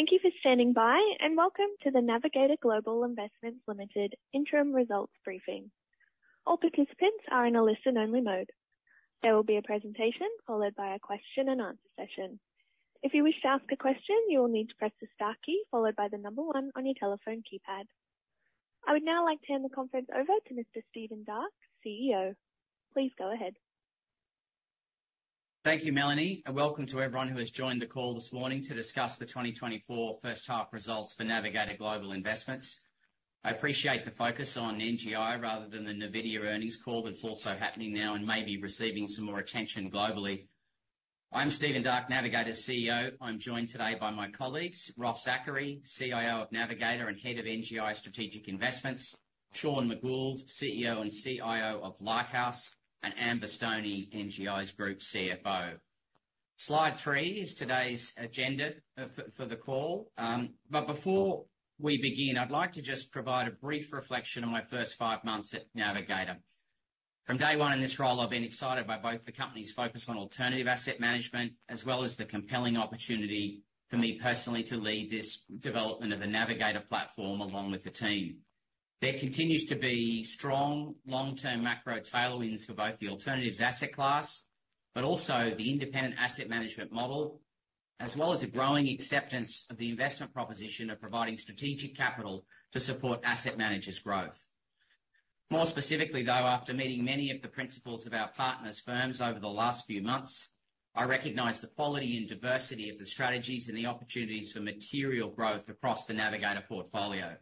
Thank you for standing by, and welcome to the Navigator Global Investments Limited interim results briefing. All participants are in a listen-only mode. There will be a presentation followed by a question-and-answer session. If you wish to ask a question, you will need to press the star key followed by the number one on your telephone keypad. I would now like to hand the conference over to Mr. Stephen Darke, CEO. Please go ahead. Thank you, Melanie, and welcome to everyone who has joined the call this morning to discuss the 2024 first half results for Navigator Global Investments. I appreciate the focus on NGI rather than the NVIDIA earnings call that's also happening now and may be receiving some more attention globally. I'm Stephen Darke, Navigator's CEO. I'm joined today by my colleagues, Ross Zachary, CIO of Navigator and head of NGI Strategic Investments, Sean McGould, CEO and CIO of Lighthouse, and Amber Stoney, NGI's Group CFO. Slide 3 is today's agenda, for the call. But before we begin, I'd like to just provide a brief reflection on my first five months at Navigator. From day one in this role, I've been excited by both the company's focus on alternative asset management as well as the compelling opportunity for me personally to lead this development of the Navigator platform along with the team. There continues to be strong long-term macro tailwinds for both the alternative asset class, but also the independent asset management model, as well as a growing acceptance of the investment proposition of providing strategic capital to support asset managers' growth. More specifically, though, after meeting many of the principals of our partners' firms over the last few months, I recognize the quality and diversity of the strategies and the opportunities for material growth across the Navigator portfolio.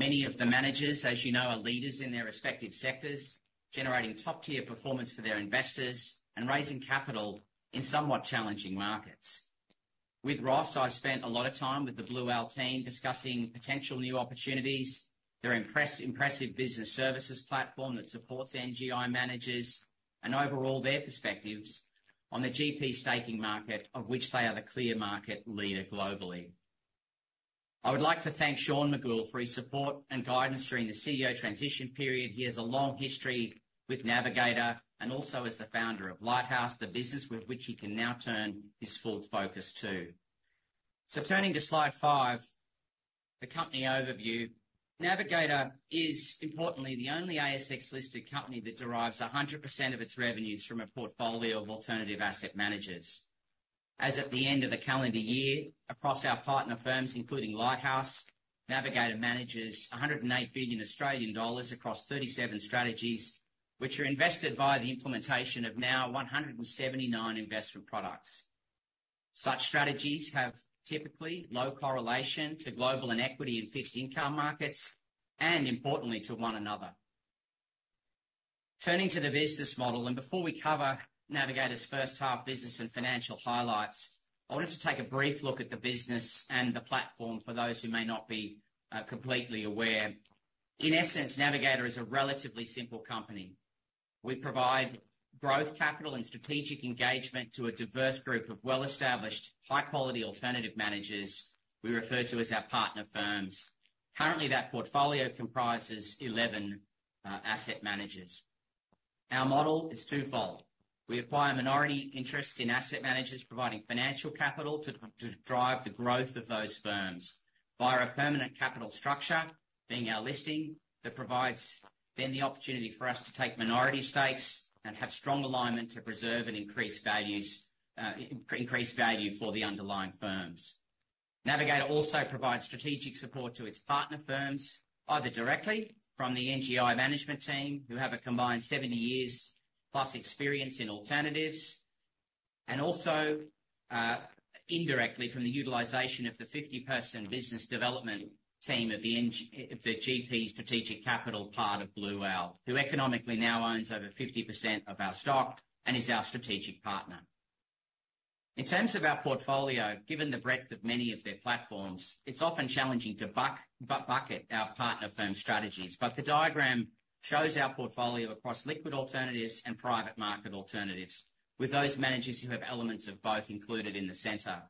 Many of the managers, as you know, are leaders in their respective sectors, generating top-tier performance for their investors and raising capital in somewhat challenging markets. With Ross, I've spent a lot of time with the Blue Owl team discussing potential new opportunities, their impressive Business Services Platform that supports NGI managers, and overall, their perspectives on the GP staking market, of which they are the clear market leader globally. I would like to thank Sean McGould for his support and guidance during the CEO transition period. He has a long history with Navigator, and also is the founder of Lighthouse, the business with which he can now turn his full focus to. So turning to slide 5, the company overview. Navigator is importantly the only ASX-listed company that derives 100% of its revenues from a portfolio of alternative asset managers. As at the end of the calendar year, across our partner firms, including Lighthouse, Navigator manages 108 billion Australian dollars across 37 strategies, which are invested via the implementation of now 179 investment products. Such strategies have typically low correlation to global and equity in fixed income markets, and importantly to one another. Turning to the business model, and before we cover Navigator's first half business and financial highlights, I wanted to take a brief look at the business and the platform for those who may not be completely aware. In essence, Navigator is a relatively simple company. We provide growth, capital, and strategic engagement to a diverse group of well-established, high-quality alternative managers we refer to as our partner firms. Currently, that portfolio comprises 11 asset managers. Our model is twofold: We acquire minority interests in asset managers, providing financial capital to drive the growth of those firms via a permanent capital structure, being our listing, that provides then the opportunity for us to take minority stakes and have strong alignment to preserve and increase value for the underlying firms. Navigator also provides strategic support to its partner firms, either directly from the NGI management team, who have a combined 70 years plus experience in alternatives, and also indirectly from the utilization of the 50-person business development team of the NGI, the GP Strategic Capital part of Blue Owl, who economically now owns over 50% of our stock and is our strategic partner. In terms of our portfolio, given the breadth of many of their platforms, it's often challenging to bucket our partner firm strategies, but the diagram shows our portfolio across liquid alternatives and private market alternatives, with those managers who have elements of both included in the center.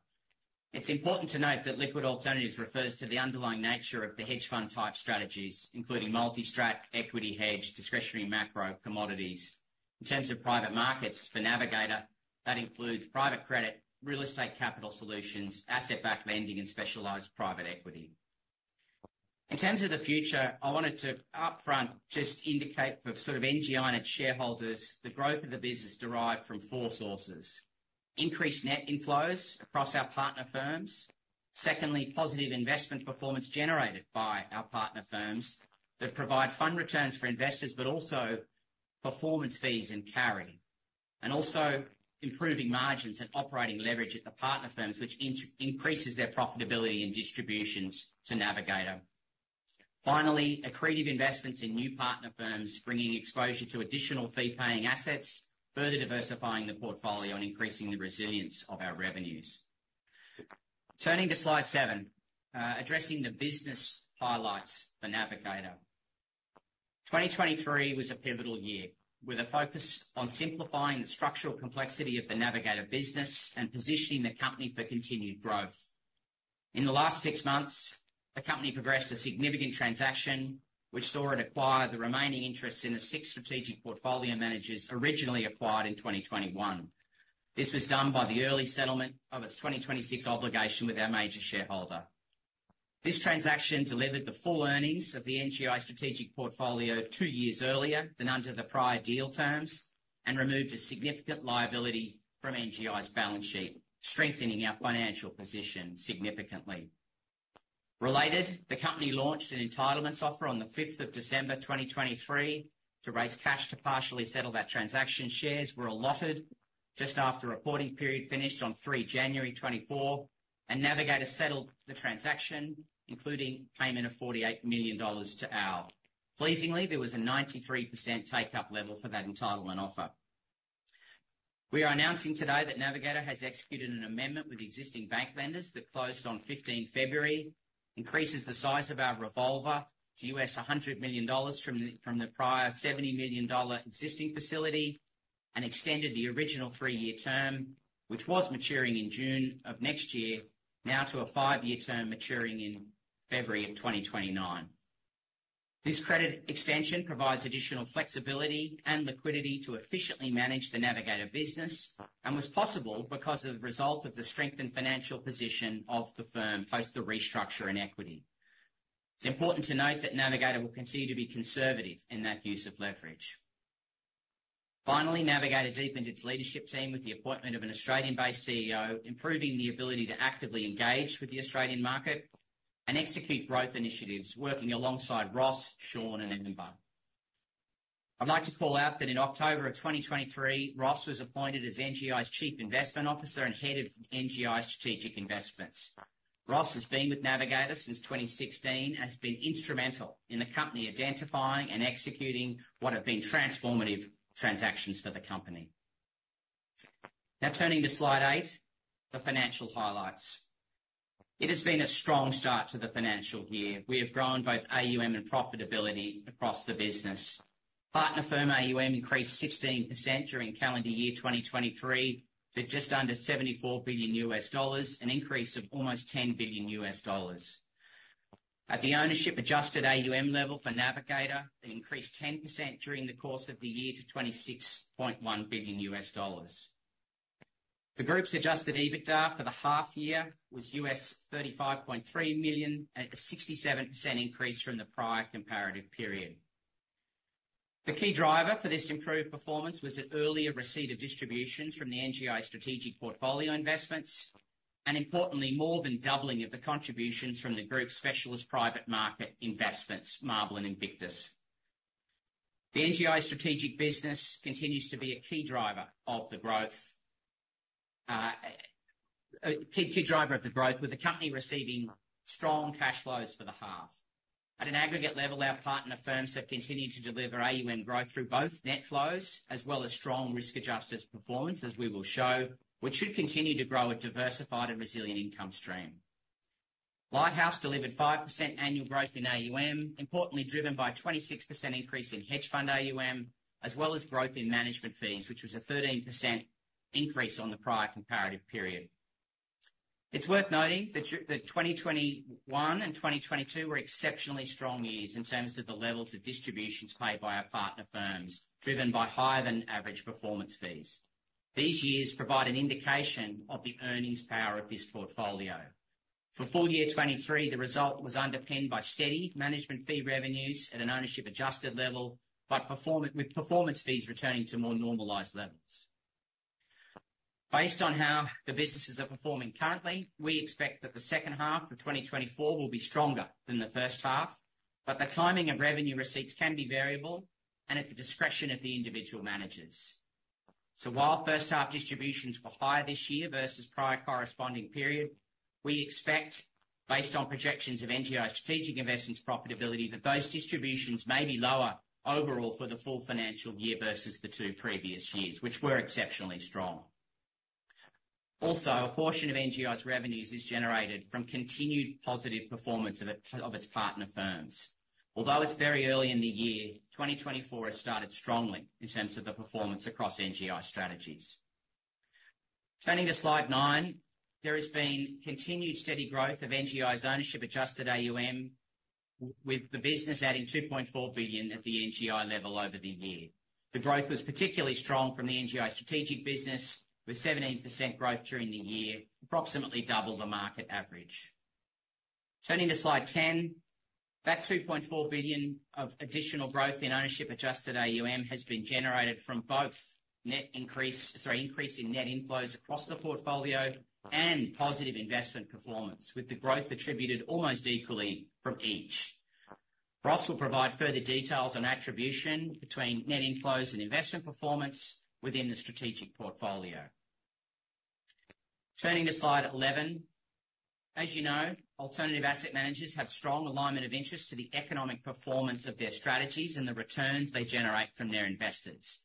It's important to note that liquid alternatives refers to the underlying nature of the hedge fund type strategies, including multi-strat, equity hedge, discretionary macro, commodities. In terms of private markets for Navigator, that includes private credit, real estate capital solutions, asset-backed lending, and specialized private equity. In terms of the future, I wanted to upfront just indicate for sort of NGI and its shareholders, the growth of the business derived from four sources: increased net inflows across our partner firms; secondly, positive investment performance generated by our partner firms that provide fund returns for investors, but also performance fees and carry; and also improving margins and operating leverage at the partner firms, which increases their profitability and distributions to Navigator. Finally, accretive investments in new partner firms, bringing exposure to additional fee-paying assets, further diversifying the portfolio and increasing the resilience of our revenues. Turning to slide 7, addressing the business highlights for Navigator. 2023 was a pivotal year, with a focus on simplifying the structural complexity of the Navigator business and positioning the company for continued growth. In the last six months. The company progressed a significant transaction, which saw it acquire the remaining interests in the six strategic portfolio managers originally acquired in 2021. This was done by the early settlement of its 2026 obligation with our major shareholder. This transaction delivered the full earnings of the NGI strategic portfolio two years earlier than under the prior deal terms, and removed a significant liability from NGI's balance sheet, strengthening our financial position significantly. Related, the company launched an entitlements offer on the fifth of December, 2023, to raise cash to partially settle that transaction. Shares were allotted just after the reporting period finished on 3 January, 2024, and Navigator settled the transaction, including payment of $48 million to our. Pleasingly, there was a 93% take-up level for that entitlement offer. We are announcing today that Navigator has executed an amendment with existing bank lenders that closed on 15 February, increases the size of our revolver to $100 million from the prior $70 million existing facility, and extended the original 3-year term, which was maturing in June of next year, now to a 5-year term, maturing in February 2029. This credit extension provides additional flexibility and liquidity to efficiently manage the Navigator business, and was possible because of the result of the strengthened financial position of the firm post the restructure in equity. It's important to note that Navigator will continue to be conservative in that use of leverage. Finally, Navigator deepened its leadership team with the appointment of an Australian-based CEO, improving the ability to actively engage with the Australian market and execute growth initiatives, working alongside Ross, Sean, and Amber. I'd like to call out that in October of 2023, Ross was appointed as NGI's Chief Investment Officer and head of NGI Strategic Investments. Ross has been with Navigator since 2016, and has been instrumental in the company identifying and executing what have been transformative transactions for the company. Now, turning to Slide 8, the financial highlights. It has been a strong start to the financial year. We have grown both AUM and profitability across the business. Partner firm AUM increased 16% during calendar year 2023 to just under $74 billion, an increase of almost $10 billion. At the ownership-adjusted AUM level for Navigator, it increased 10% during the course of the year to $26.1 billion. The group's Adjusted EBITDA for the half year was $35.3 million, at a 67% increase from the prior comparative period. The key driver for this improved performance was the earlier receipt of distributions from the NGI strategic portfolio investments, and importantly, more than doubling of the contributions from the group's specialist private market investments, Marble and Invictus. The NGI strategic business continues to be a key driver of the growth, a key, key driver of the growth, with the company receiving strong cash flows for the half. At an aggregate level, our partner firms have continued to deliver AUM growth through both net flows as well as strong risk-adjusted performance, as we will show, which should continue to grow a diversified and resilient income stream. Lighthouse delivered 5% annual growth in AUM, importantly, driven by a 26% increase in hedge fund AUM, as well as growth in management fees, which was a 13% increase on the prior comparative period. It's worth noting that 2021 and 2022 were exceptionally strong years in terms of the levels of distributions paid by our partner firms, driven by higher than average performance fees. These years provide an indication of the earnings power of this portfolio. For full year 2023, the result was underpinned by steady management fee revenues at an ownership-adjusted level, but with performance fees returning to more normalized levels. Based on how the businesses are performing currently, we expect that the second half of 2024 will be stronger than the first half, but the timing of revenue receipts can be variable and at the discretion of the individual managers. So while first half distributions were higher this year versus prior corresponding period, we expect, based on projections of NGI Strategic Investments profitability, that those distributions may be lower overall for the full financial year versus the two previous years, which were exceptionally strong. Also, a portion of NGI's revenues is generated from continued positive performance of its partner firms. Although it's very early in the year, 2024 has started strongly in terms of the performance across NGI strategies. Turning to Slide 9, there has been continued steady growth of NGI's ownership-adjusted AUM, with the business adding $2.4 billion at the NGI level over the year. The growth was particularly strong from the NGI strategic business, with 17% growth during the year, approximately double the market average. Turning to Slide 10, that $2.4 billion of additional growth in ownership-adjusted AUM has been generated from both net increase... Sorry, increase in net inflows across the portfolio and positive investment performance, with the growth attributed almost equally from each. Ross will provide further details on attribution between net inflows and investment performance within the strategic portfolio. Turning to Slide 11. As you know, alternative asset managers have strong alignment of interests to the economic performance of their strategies and the returns they generate from their investors.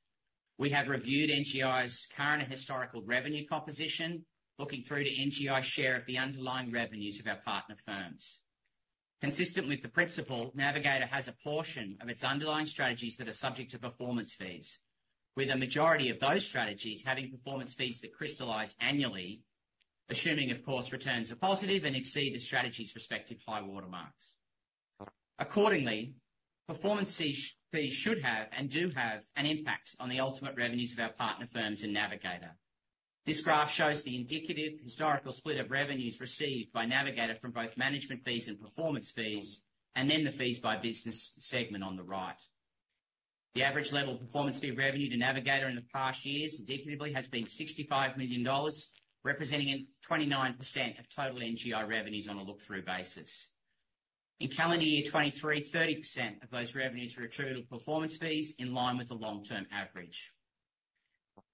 We have reviewed NGI's current and historical revenue composition, looking through to NGI's share of the underlying revenues of our partner firms. Consistent with the principle, Navigator has a portion of its underlying strategies that are subject to performance fees, with a majority of those strategies having performance fees that crystallize annually, assuming, of course, returns are positive and exceed the strategy's respective high water marks. Accordingly, performance fees should have, and do have, an impact on the ultimate revenues of our partner firms in Navigator. This graph shows the indicative historical split of revenues received by Navigator from both management fees and performance fees, and then the fees by business segment on the right. The average level of performance fee revenue to Navigator in the past years indicatively has been $65 million, representing 29% of total NGI revenues on a look-through basis. In calendar year 2023, 30% of those revenues were attributed to performance fees in line with the long-term average.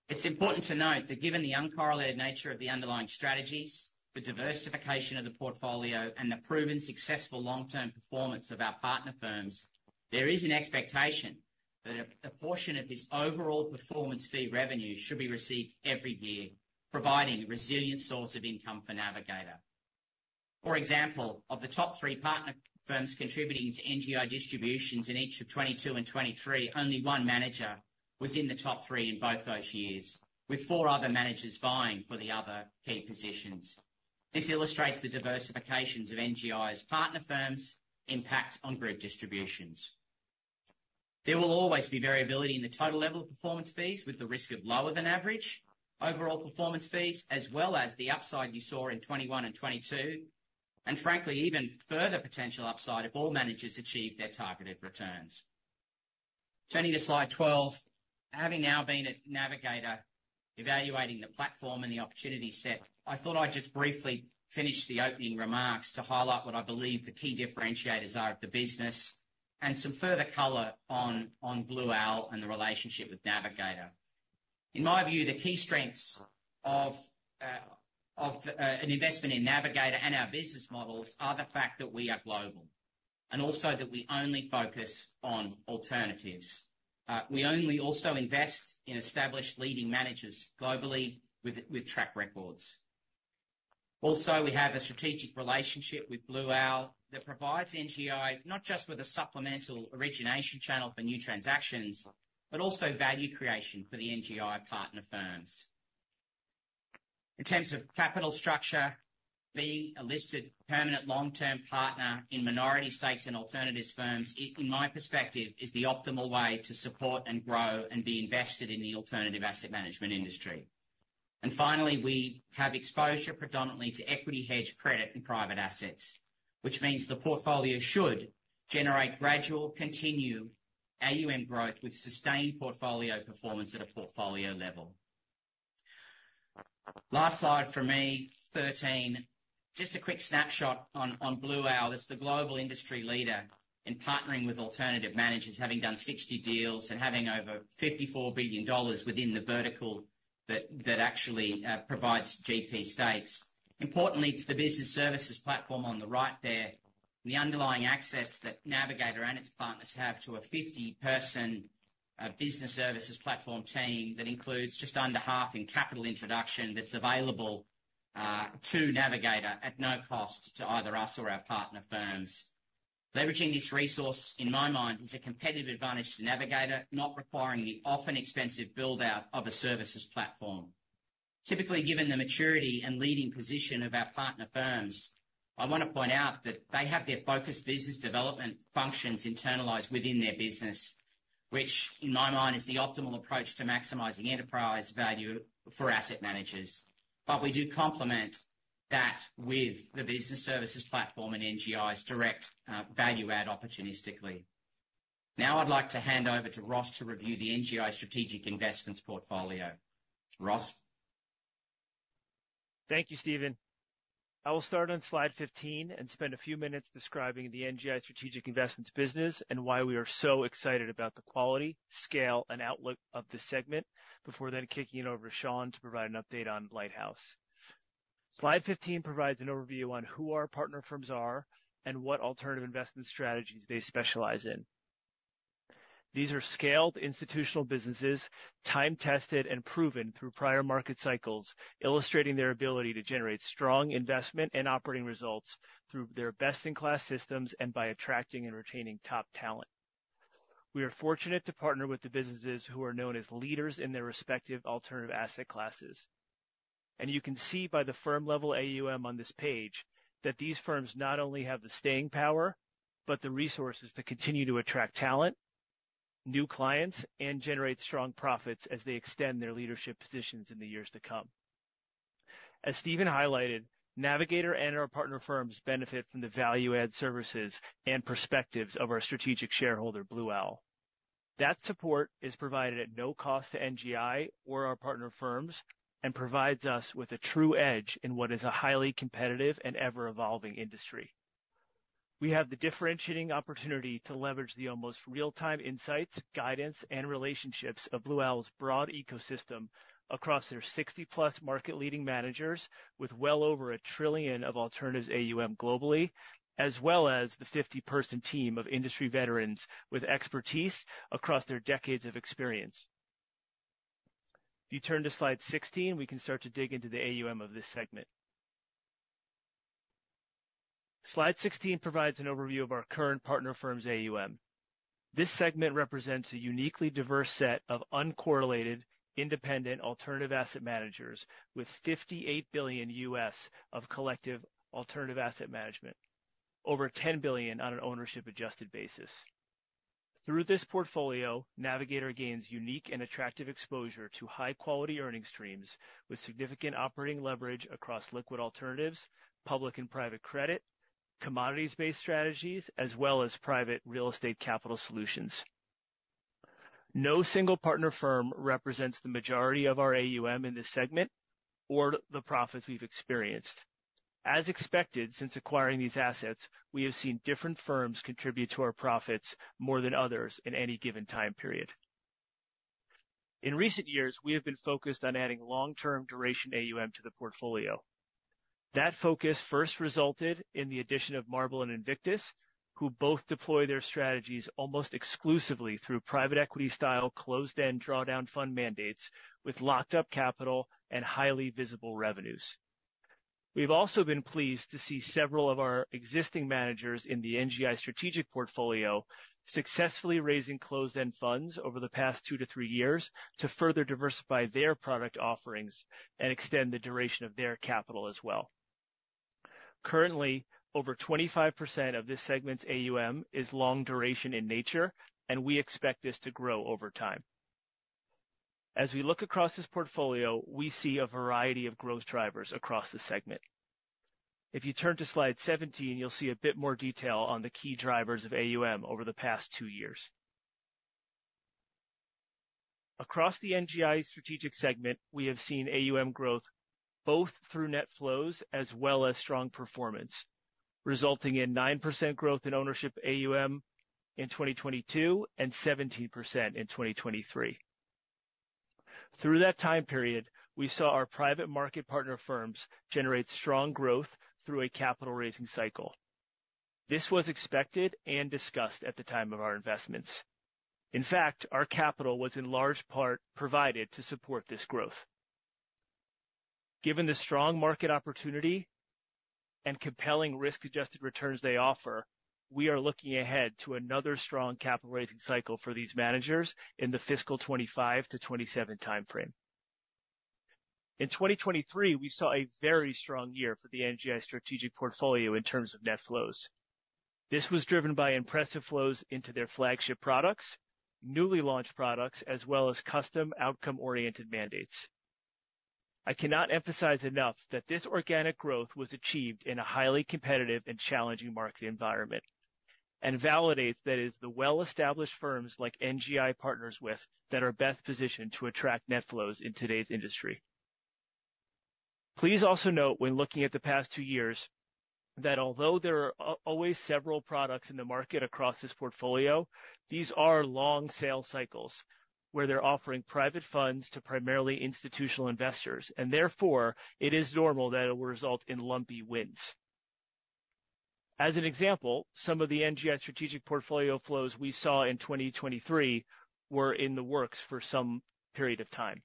It's important to note that given the uncorrelated nature of the underlying strategies, the diversification of the portfolio, and the proven successful long-term performance of our partner firms, there is an expectation that a portion of this overall performance fee revenue should be received every year, providing a resilient source of income for Navigator. For example, of the top three partner firms contributing to NGI distributions in each of 2022 and 2023, only one manager was in the top three in both those years, with four other managers vying for the other key positions. This illustrates the diversification of NGI's partner firms' impact on group distributions. There will always be variability in the total level of performance fees, with the risk of lower than average overall performance fees, as well as the upside you saw in 2021 and 2022, and frankly, even further potential upside if all managers achieve their targeted returns. Turning to slide 12, having now been at Navigator, evaluating the platform and the opportunity set, I thought I'd just briefly finish the opening remarks to highlight what I believe the key differentiators are of the business, and some further color on Blue Owl and the relationship with Navigator. In my view, the key strengths of an investment in Navigator and our business models are the fact that we are global, and also that we only focus on alternatives. We only also invest in established leading managers globally with track records. Also, we have a strategic relationship with Blue Owl that provides NGI, not just with a supplemental origination channel for new transactions, but also value creation for the NGI partner firms. In terms of capital structure, being a listed permanent long-term partner in minority stakes in alternatives firms, in my perspective, is the optimal way to support and grow and be invested in the alternative asset management industry. And finally, we have exposure predominantly to equity, hedge, credit, and private assets, which means the portfolio should generate gradual, continued AUM growth with sustained portfolio performance at a portfolio level. Last slide for me, 13. Just a quick snapshot on Blue Owl. It's the global industry leader in partnering with alternative managers, having done 60 deals and having over $54 billion within the vertical that actually provides GP stakes. Importantly, to the business services platform on the right there, the underlying access that Navigator and its partners have to a 50-person business services platform team that includes just under half in capital introduction that's available to Navigator at no cost to either us or our partner firms. Leveraging this resource, in my mind, is a competitive advantage to Navigator, not requiring the often expensive build-out of a services platform. Typically, given the maturity and leading position of our partner firms, I want to point out that they have their focused business development functions internalized within their business, which in my mind, is the optimal approach to maximizing enterprise value for asset managers. But we do complement that with the Business Services Platform and NGI's direct value add opportunistically. Now, I'd like to hand over to Ross to review the NGI Strategic Investments portfolio. Ross? Thank you, Stephen. I will start on slide 15 and spend a few minutes describing the NGI Strategic Investments business and why we are so excited about the quality, scale, and outlook of this segment before then kicking it over to Sean to provide an update on Lighthouse. Slide 15 provides an overview on who our partner firms are and what alternative investment strategies they specialize in. These are scaled institutional businesses, time-tested and proven through prior market cycles, illustrating their ability to generate strong investment and operating results through their best-in-class systems and by attracting and retaining top talent. We are fortunate to partner with the businesses who are known as leaders in their respective alternative asset classes. You can see by the firm level AUM on this page, that these firms not only have the staying power, but the resources to continue to attract talent, new clients, and generate strong profits as they extend their leadership positions in the years to come. As Stephen highlighted, Navigator and our partner firms benefit from the value-add services and perspectives of our strategic shareholder, Blue Owl. That support is provided at no cost to NGI or our partner firms, and provides us with a true edge in what is a highly competitive and ever-evolving industry. We have the differentiating opportunity to leverage the almost real-time insights, guidance, and relationships of Blue Owl's broad ecosystem across their 60+ market-leading managers with well over $1 trillion of alternatives AUM globally, as well as the 50-person team of industry veterans with expertise across their decades of experience. If you turn to slide 16, we can start to dig into the AUM of this segment... Slide 16 provides an overview of our current partner firms AUM. This segment represents a uniquely diverse set of uncorrelated, independent, alternative asset managers with $58 billion of collective alternative asset management, over $10 billion on an ownership-adjusted basis. Through this portfolio, Navigator gains unique and attractive exposure to high-quality earning streams with significant operating leverage across liquid alternatives, public and private credit, commodities-based strategies, as well as private real estate capital solutions. No single partner firm represents the majority of our AUM in this segment or the profits we've experienced. As expected, since acquiring these assets, we have seen different firms contribute to our profits more than others in any given time period. In recent years, we have been focused on adding long-term duration AUM to the portfolio. That focus first resulted in the addition of Marble and Invictus, who both deploy their strategies almost exclusively through private equity style, closed-end, drawdown fund mandates with locked up capital and highly visible revenues. We've also been pleased to see several of our existing managers in the NGI Strategic portfolio successfully raising closed-end funds over the past 2-3 years to further diversify their product offerings and extend the duration of their capital as well. Currently, over 25% of this segment's AUM is long duration in nature, and we expect this to grow over time. As we look across this portfolio, we see a variety of growth drivers across the segment. If you turn to slide 17, you'll see a bit more detail on the key drivers of AUM over the past 2 years. Across the NGI Strategic segment, we have seen AUM growth both through net flows as well as strong performance, resulting in 9% growth in ownership AUM in 2022 and 17% in 2023. Through that time period, we saw our private market partner firms generate strong growth through a capital raising cycle. This was expected and discussed at the time of our investments. In fact, our capital was in large part provided to support this growth. Given the strong market opportunity and compelling risk-adjusted returns they offer, we are looking ahead to another strong capital raising cycle for these managers in the fiscal 2025 to 2027 timeframe. In 2023, we saw a very strong year for the NGI Strategic portfolio in terms of net flows. This was driven by impressive flows into their flagship products, newly launched products, as well as custom outcome-oriented mandates. I cannot emphasize enough that this organic growth was achieved in a highly competitive and challenging market environment, and validates that it's the well-established firms like NGI partners with, that are best positioned to attract net flows in today's industry. Please also note, when looking at the past two years, that although there are always several products in the market across this portfolio, these are long sales cycles where they're offering private funds to primarily institutional investors, and therefore, it is normal that it will result in lumpy wins. As an example, some of the NGI Strategic portfolio flows we saw in 2023 were in the works for some period of time.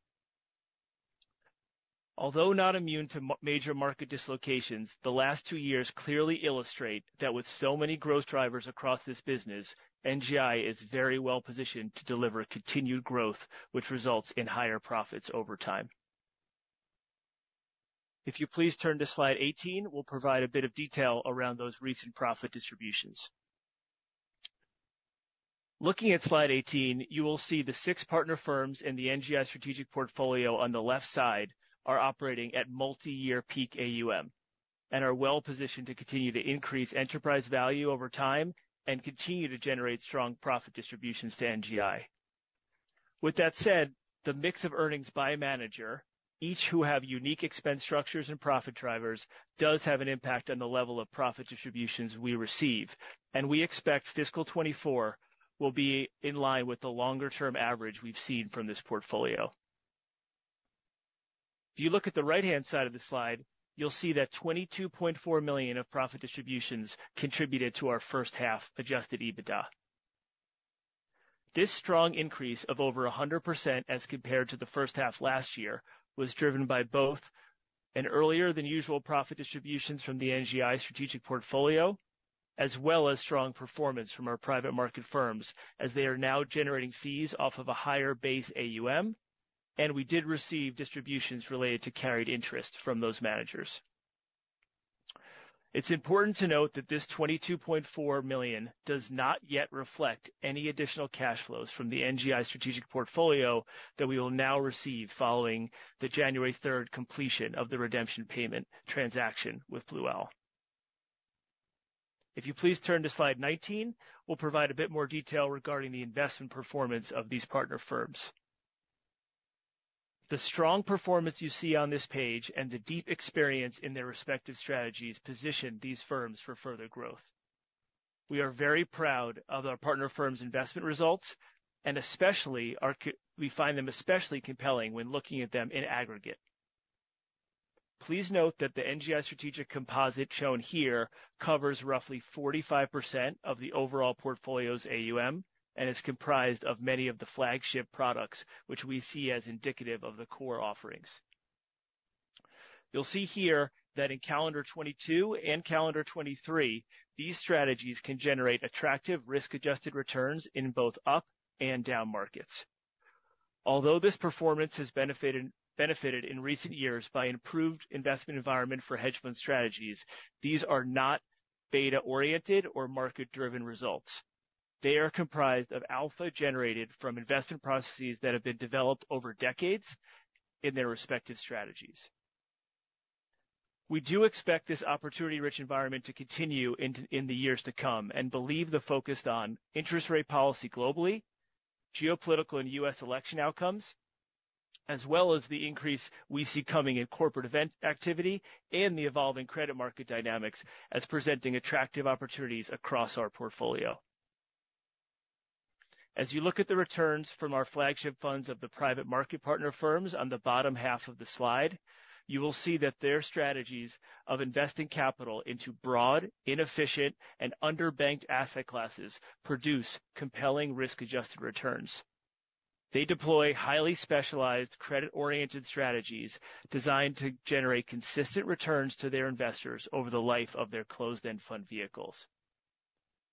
Although not immune to major market dislocations, the last two years clearly illustrate that with so many growth drivers across this business, NGI is very well positioned to deliver continued growth, which results in higher profits over time. If you please turn to slide 18, we'll provide a bit of detail around those recent profit distributions. Looking at slide 18, you will see the six partner firms in the NGI Strategic portfolio on the left side are operating at multi-year peak AUM, and are well positioned to continue to increase enterprise value over time and continue to generate strong profit distributions to NGI. With that said, the mix of earnings by manager, each who have unique expense structures and profit drivers, does have an impact on the level of profit distributions we receive, and we expect fiscal 2024 will be in line with the longer-term average we've seen from this portfolio. If you look at the right-hand side of the slide, you'll see that $22.4 million of profit distributions contributed to our first half Adjusted EBITDA. This strong increase of over 100% as compared to the first half last year was driven by both an earlier than usual profit distributions from the NGI Strategic portfolio, as well as strong performance from our private market firms, as they are now generating fees off of a higher base AUM, and we did receive distributions related to carried interest from those managers. It's important to note that this $22.4 million does not yet reflect any additional cash flows from the NGI Strategic portfolio that we will now receive following the January third completion of the redemption payment transaction with Blue Owl. If you please turn to slide 19, we'll provide a bit more detail regarding the investment performance of these partner firms. The strong performance you see on this page and the deep experience in their respective strategies position these firms for further growth. We are very proud of our partner firms' investment results, and especially we find them especially compelling when looking at them in aggregate. Please note that the NGI Strategic composite shown here covers roughly 45% of the overall portfolio's AUM, and is comprised of many of the flagship products, which we see as indicative of the core offerings. You'll see here that in calendar 2022 and calendar 2023, these strategies can generate attractive risk-adjusted returns in both up and down markets. Although this performance has benefited in recent years by improved investment environment for hedge fund strategies, these are not beta-oriented or market-driven results. They are comprised of alpha generated from investment processes that have been developed over decades in their respective strategies. We do expect this opportunity-rich environment to continue in the years to come, and believe the focus on interest rate policy globally, geopolitical and US election outcomes, as well as the increase we see coming in corporate event activity and the evolving credit market dynamics, as presenting attractive opportunities across our portfolio. As you look at the returns from our flagship funds of the private market partner firms on the bottom half of the slide, you will see that their strategies of investing capital into broad, inefficient, and underbanked asset classes produce compelling risk-adjusted returns. They deploy highly specialized credit-oriented strategies designed to generate consistent returns to their investors over the life of their closed-end fund vehicles.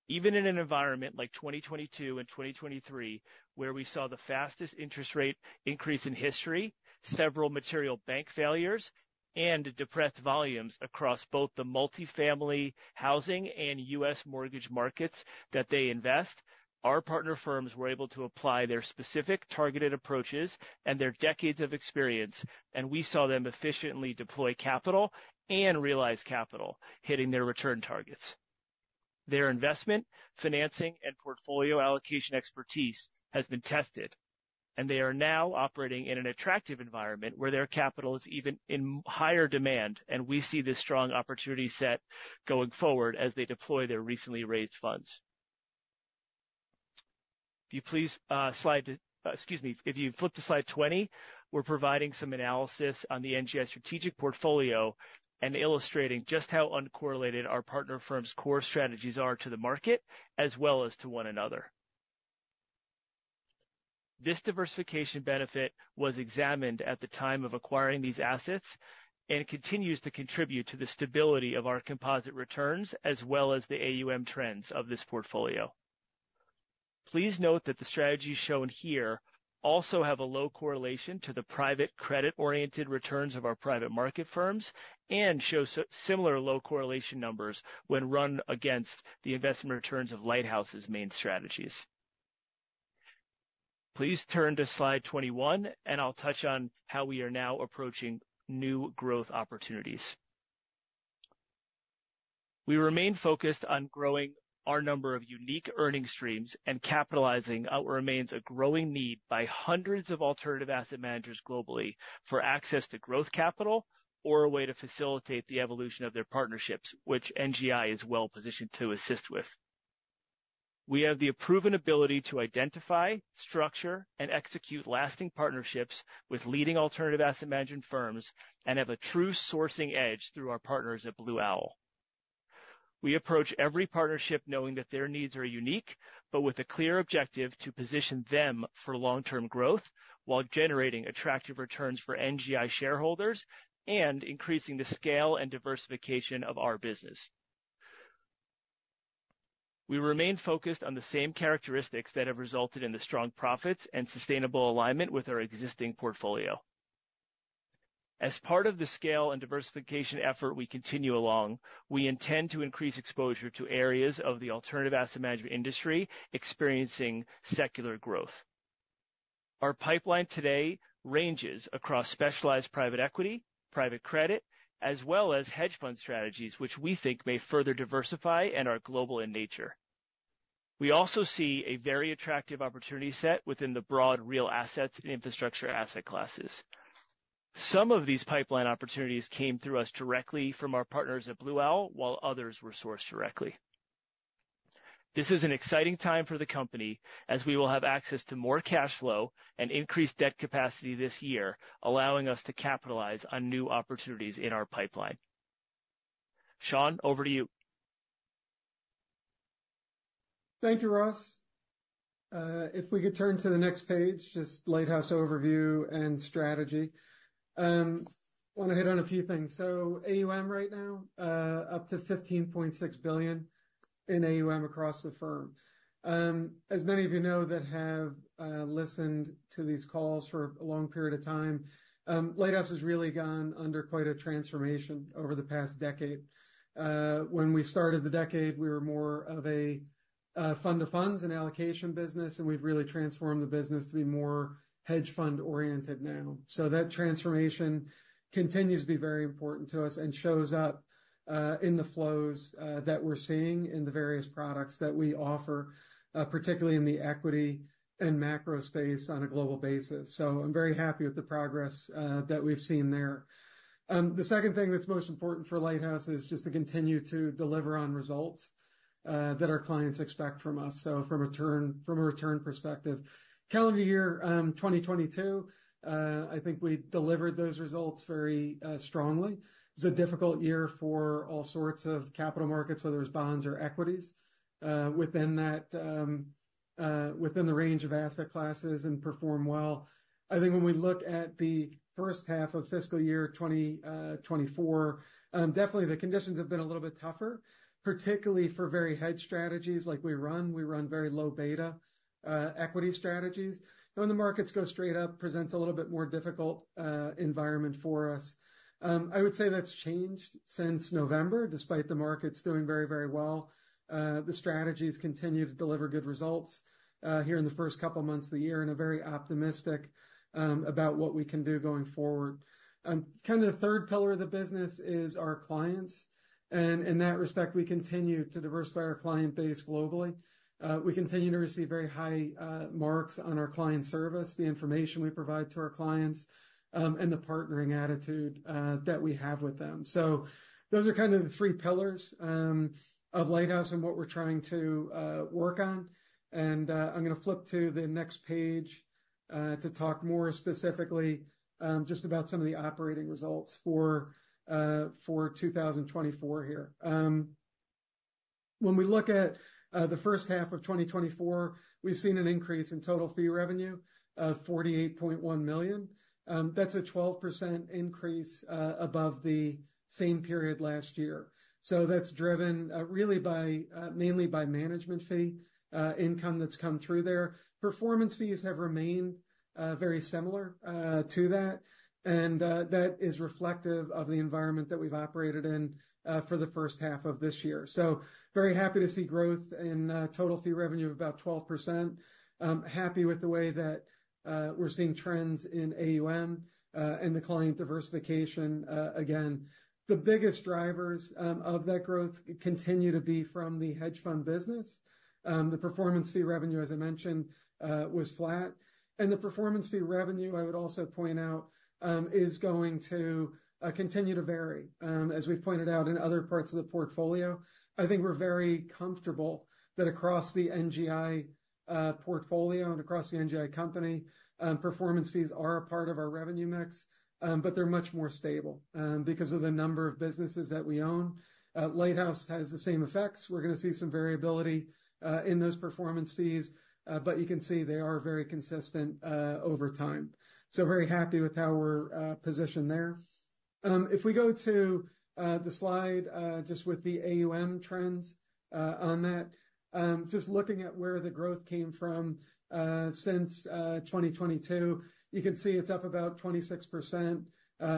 Even in an environment like 2022 and 2023, where we saw the fastest interest rate increase in history, several material bank failures, and depressed volumes across both the multifamily housing and U.S. mortgage markets that they invest, our partner firms were able to apply their specific targeted approaches and their decades of experience, and we saw them efficiently deploy capital and realize capital, hitting their return targets. Their investment, financing, and portfolio allocation expertise has been tested, and they are now operating in an attractive environment where their capital is even in higher demand, and we see this strong opportunity set going forward as they deploy their recently raised funds. If you please, slide to, excuse me. If you flip to slide 20, we're providing some analysis on the NGI strategic portfolio and illustrating just how uncorrelated our partner firms' core strategies are to the market, as well as to one another. This diversification benefit was examined at the time of acquiring these assets and continues to contribute to the stability of our composite returns, as well as the AUM trends of this portfolio. Please note that the strategies shown here also have a low correlation to the private credit-oriented returns of our private market firms and show similar low correlation numbers when run against the investment returns of Lighthouse's main strategies. Please turn to slide 21, and I'll touch on how we are now approaching new growth opportunities. We remain focused on growing our number of unique earning streams and capitalizing what remains a growing need by hundreds of alternative asset managers globally for access to growth capital, or a way to facilitate the evolution of their partnerships, which NGI is well positioned to assist with. We have the proven ability to identify, structure, and execute lasting partnerships with leading alternative asset management firms, and have a true sourcing edge through our partners at Blue Owl. We approach every partnership knowing that their needs are unique, but with a clear objective to position them for long-term growth while generating attractive returns for NGI shareholders and increasing the scale and diversification of our business. We remain focused on the same characteristics that have resulted in the strong profits and sustainable alignment with our existing portfolio. As part of the scale and diversification effort we continue along, we intend to increase exposure to areas of the alternative asset management industry experiencing secular growth. Our pipeline today ranges across specialized private equity, private credit, as well as hedge fund strategies, which we think may further diversify and are global in nature. We also see a very attractive opportunity set within the broad real assets and infrastructure asset classes. Some of these pipeline opportunities came through us directly from our partners at Blue Owl, while others were sourced directly. This is an exciting time for the company, as we will have access to more cash flow and increased debt capacity this year, allowing us to capitalize on new opportunities in our pipeline. Sean, over to you. Thank you, Ross. If we could turn to the next page, just Lighthouse overview and strategy. Wanna hit on a few things. So AUM right now, up to $15.6 billion in AUM across the firm. As many of you know that have listened to these calls for a long period of time, Lighthouse has really gone under quite a transformation over the past decade. When we started the decade, we were more of a fund to funds and allocation business, and we've really transformed the business to be more hedge fund oriented now. So that transformation continues to be very important to us and shows up in the flows that we're seeing in the various products that we offer, particularly in the equity and macro space on a global basis. So I'm very happy with the progress that we've seen there. The second thing that's most important for Lighthouse is just to continue to deliver on results that our clients expect from us, so from a return, from a return perspective. Calendar year 2022, I think we delivered those results very strongly. It was a difficult year for all sorts of capital markets, whether it's bonds or equities, within the range of asset classes and performed well. I think when we look at the first half of fiscal year 2024, definitely the conditions have been a little bit tougher, particularly for equity hedge strategies like we run. We run very low beta equity strategies. When the markets go straight up, presents a little bit more difficult environment for us. I would say that's changed since November, despite the markets doing very, very well. The strategies continue to deliver good results here in the first couple of months of the year, and are very optimistic about what we can do going forward. Kind of the third pillar of the business is our clients, and in that respect, we continue to diversify our client base globally. We continue to receive very high marks on our client service, the information we provide to our clients, and the partnering attitude that we have with them. So those are kind of the three pillars of Lighthouse and what we're trying to work on. And, I'm gonna flip to the next page to talk more specifically just about some of the operating results for 2024 here. When we look at the first half of 2024, we've seen an increase in total fee revenue of $48.1 million. That's a 12% increase above the same period last year. So that's driven really by mainly by management fee income that's come through there. Performance fees have remained very similar to that, and that is reflective of the environment that we've operated in for the first half of this year. So very happy to see growth in total fee revenue of about 12%. Happy with the way that we're seeing trends in AUM and the client diversification again. The biggest drivers of that growth continue to be from the hedge fund business. The performance fee revenue, as I mentioned, was flat, and the performance fee revenue, I would also point out, is going to continue to vary. As we've pointed out in other parts of the portfolio, I think we're very comfortable that across the NGI portfolio and across the NGI company, performance fees are a part of our revenue mix, but they're much more stable because of the number of businesses that we own. Lighthouse has the same effects. We're gonna see some variability in those performance fees, but you can see they are very consistent over time. So very happy with how we're positioned there. If we go to the slide just with the AUM trends, on that, just looking at where the growth came from, since 2022, you can see it's up about 26%,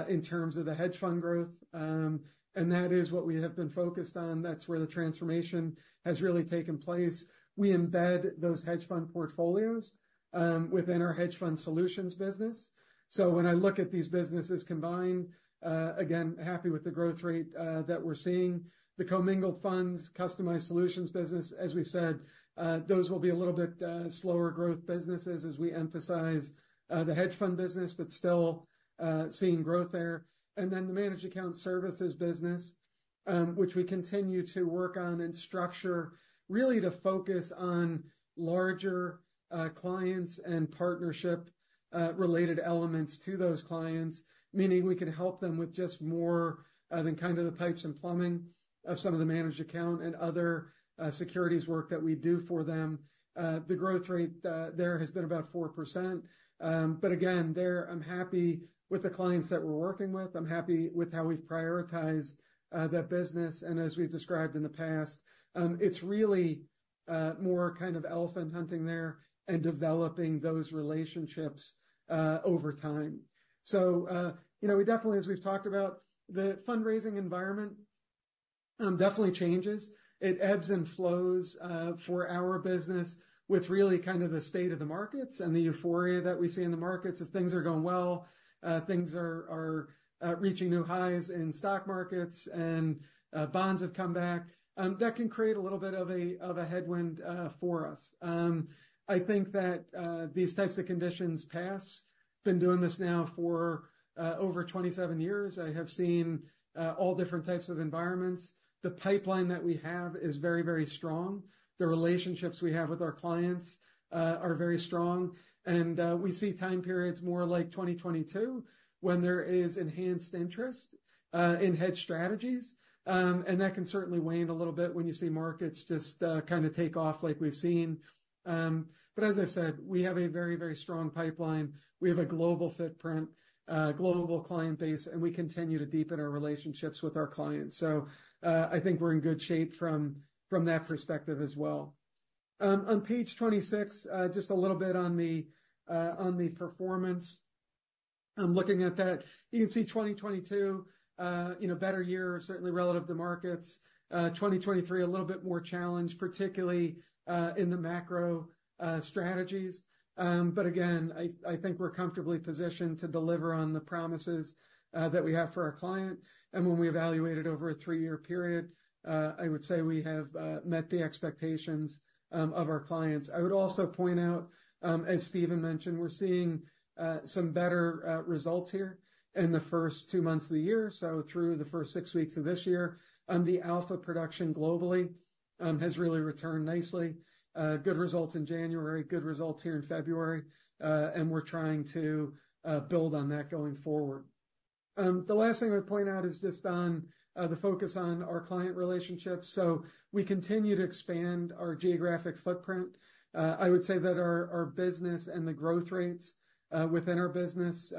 in terms of the hedge fund growth, and that is what we have been focused on. That's where the transformation has really taken place. We embed those hedge fund portfolios within our Hedge Fund Solutions business. So when I look at these businesses combined, again, happy with the growth rate that we're seeing. The commingled funds, customized solutions business, as we've said, those will be a little bit slower growth businesses as we emphasize the hedge fund business, but still, seeing growth there. And then, the Managed Account Services business, which we continue to work on and structure, really to focus on larger, clients and partnership, related elements to those clients, meaning we can help them with just more, than kind of the pipes and plumbing of some of the managed account and other, securities work that we do for them. The growth rate, there has been about 4%. But again, there, I'm happy with the clients that we're working with. I'm happy with how we've prioritized, that business, and as we've described in the past, it's really, more kind of elephant hunting there and developing those relationships, over time. So, you know, we definitely, as we've talked about, the fundraising environment, definitely changes. It ebbs and flows for our business with really kind of the state of the markets and the euphoria that we see in the markets. If things are going well, things are reaching new highs in stock markets and bonds have come back, that can create a little bit of a headwind for us. I think that these types of conditions pass. Been doing this now for over 27 years. I have seen all different types of environments. The pipeline that we have is very, very strong. The relationships we have with our clients are very strong, and we see time periods more like 2022, when there is enhanced interest in hedge strategies. And that can certainly wane a little bit when you see markets just, kind of take off like we've seen. But as I've said, we have a very, very strong pipeline. We have a global footprint, global client base, and we continue to deepen our relationships with our clients. So, I think we're in good shape from, from that perspective as well. On page 26, just a little bit on the, on the performance. Looking at that, you can see 2022, you know, better year, certainly relative to the markets. 2023, a little bit more challenged, particularly, in the macro, strategies. But again, I think we're comfortably positioned to deliver on the promises that we have for our client, and when we evaluate it over a three-year period, I would say we have met the expectations of our clients. I would also point out, as Stephen mentioned, we're seeing some better results here in the first two months of the year. So through the first six weeks of this year, the alpha production globally has really returned nicely. Good results in January, good results here in February, and we're trying to build on that going forward. The last thing I'd point out is just on the focus on our client relationships. So we continue to expand our geographic footprint. I would say that our business and the growth rates within our business,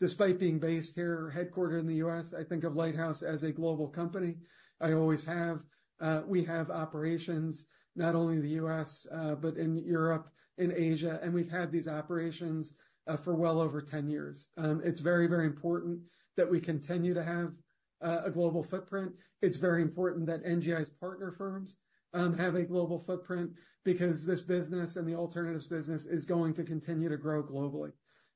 despite being based here, headquartered in the U.S., I think of Lighthouse as a global company. I always have. We have operations not only in the U.S., but in Europe, in Asia, and we've had these operations for well over 10 years. It's very, very important that we continue to have a global footprint. It's very important that NGI's partner firms have a global footprint because this business and the alternatives business is going to continue to grow globally.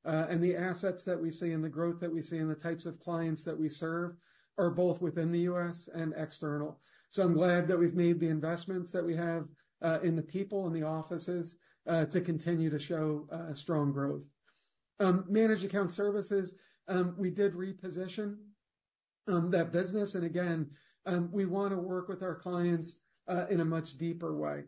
And the assets that we see and the growth that we see, and the types of clients that we serve are both within the U.S. and external. So I'm glad that we've made the investments that we have, in the people, in the offices, to continue to show strong growth. Managed account services, we did reposition that business, and again, we wanna work with our clients, in a much deeper way,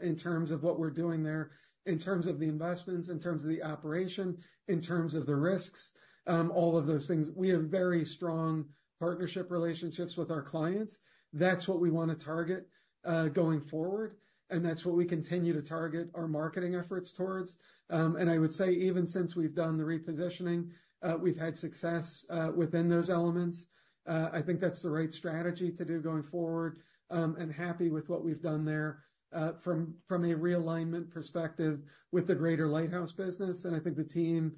in terms of what we're doing there, in terms of the investments, in terms of the operation, in terms of the risks, all of those things. We have very strong partnership relationships with our clients. That's what we want to target, going forward, and that's what we continue to target our marketing efforts towards. And I would say, even since we've done the repositioning, we've had success within those elements. I think that's the right strategy to do going forward, and happy with what we've done there, from a realignment perspective with the greater Lighthouse business. I think the team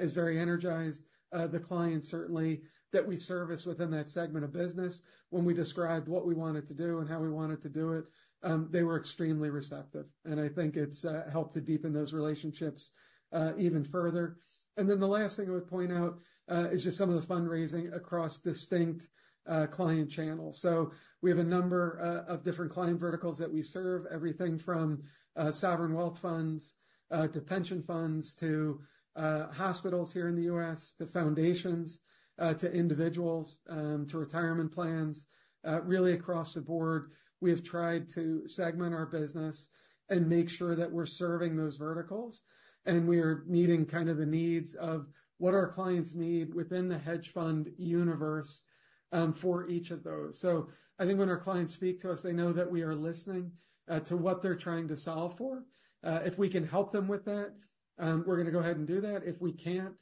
is very energized. The clients, certainly, that we service within that segment of business, when we described what we wanted to do and how we wanted to do it, they were extremely receptive, and I think it's helped to deepen those relationships even further. And then the last thing I would point out is just some of the fundraising across distinct client channels. So we have a number of different client verticals that we serve, everything from sovereign wealth funds to pension funds, to hospitals here in the U.S., to foundations to individuals to retirement plans. Really across the board, we have tried to segment our business and make sure that we're serving those verticals, and we are meeting kind of the needs of what our clients need within the hedge fund universe, for each of those. So I think when our clients speak to us, they know that we are listening, to what they're trying to solve for. If we can help them with that, we're gonna go ahead and do that. If we can't,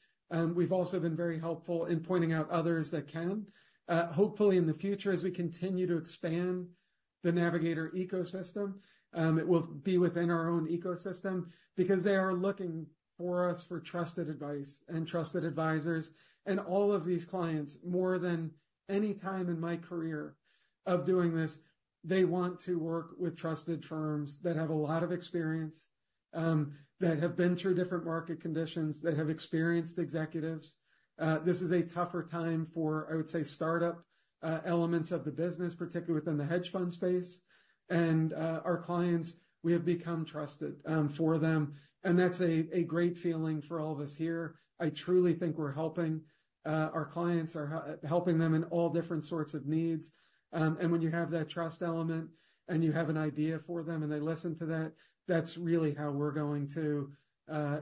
we've also been very helpful in pointing out others that can. Hopefully, in the future, as we continue to expand the Navigator ecosystem, it will be within our own ecosystem because they are looking for us for trusted advice and trusted advisors. All of these clients, more than any time in my career of doing this, they want to work with trusted firms that have a lot of experience, that have been through different market conditions, that have experienced executives. This is a tougher time for, I would say, startup elements of the business, particularly within the hedge fund space. Our clients, we have become trusted for them, and that's a great feeling for all of us here. I truly think we're helping our clients helping them in all different sorts of needs. And when you have that trust element and you have an idea for them, and they listen to that, that's really how we're going to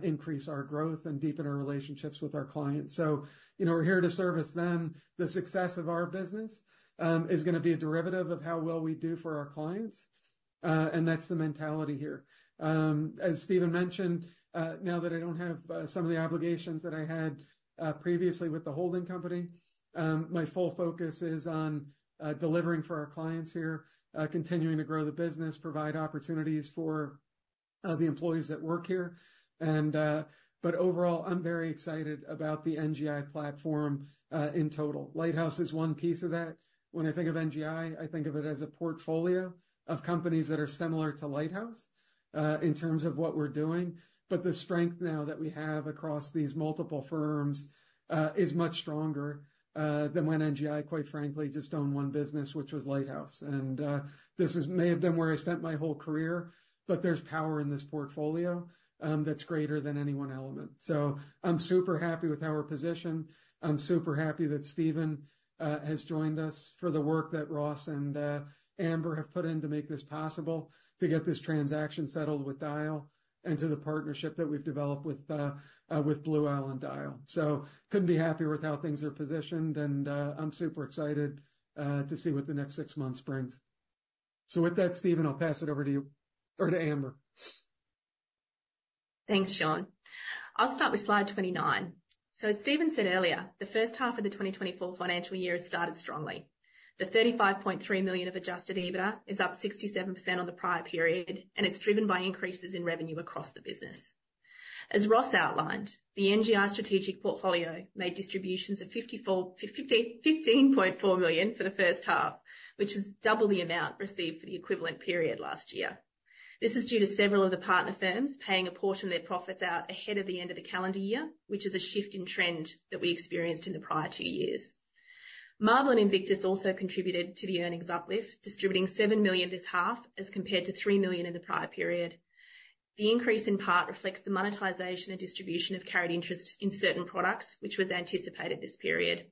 increase our growth and deepen our relationships with our clients. So, you know, we're here to service them. The success of our business is gonna be a derivative of how well we do for our clients, and that's the mentality here. As Stephen mentioned, now that I don't have some of the obligations that I had previously with the holding company, my full focus is on delivering for our clients here, continuing to grow the business, provide opportunities for the employees that work here. But overall, I'm very excited about the NGI platform in total. Lighthouse is one piece of that. When I think of NGI, I think of it as a portfolio of companies that are similar to Lighthouse in terms of what we're doing, but the strength now that we have across these multiple firms is much stronger than when NGI, quite frankly, just owned one business, which was Lighthouse. And, this may have been where I spent my whole career, but there's power in this portfolio, that's greater than any one element. So I'm super happy with our position. I'm super happy that Stephen has joined us, for the work that Ross and Amber have put in to make this possible, to get this transaction settled with Dyal, and to the partnership that we've developed with Blue Owl and Dyal. So couldn't be happier with how things are positioned, and I'm super excited to see what the next six months brings. So with that, Stephen, I'll pass it over to you or to Amber. Thanks, Sean. I'll start with slide 29. So as Stephen said earlier, the first half of the 2024 financial year has started strongly. The $35.3 million of Adjusted EBITDA is up 67% on the prior period, and it's driven by increases in revenue across the business. As Ross outlined, the NGI strategic portfolio made distributions of $54.5 million, $15.4 million for the first half, which is double the amount received for the equivalent period last year. This is due to several of the partner firms paying a portion of their profits out ahead of the end of the calendar year, which is a shift in trend that we experienced in the prior two years. Marble and Invictus also contributed to the earnings uplift, distributing $7 million this half, as compared to $3 million in the prior period. The increase in part reflects the monetization and distribution of carried interest in certain products, which was anticipated this period.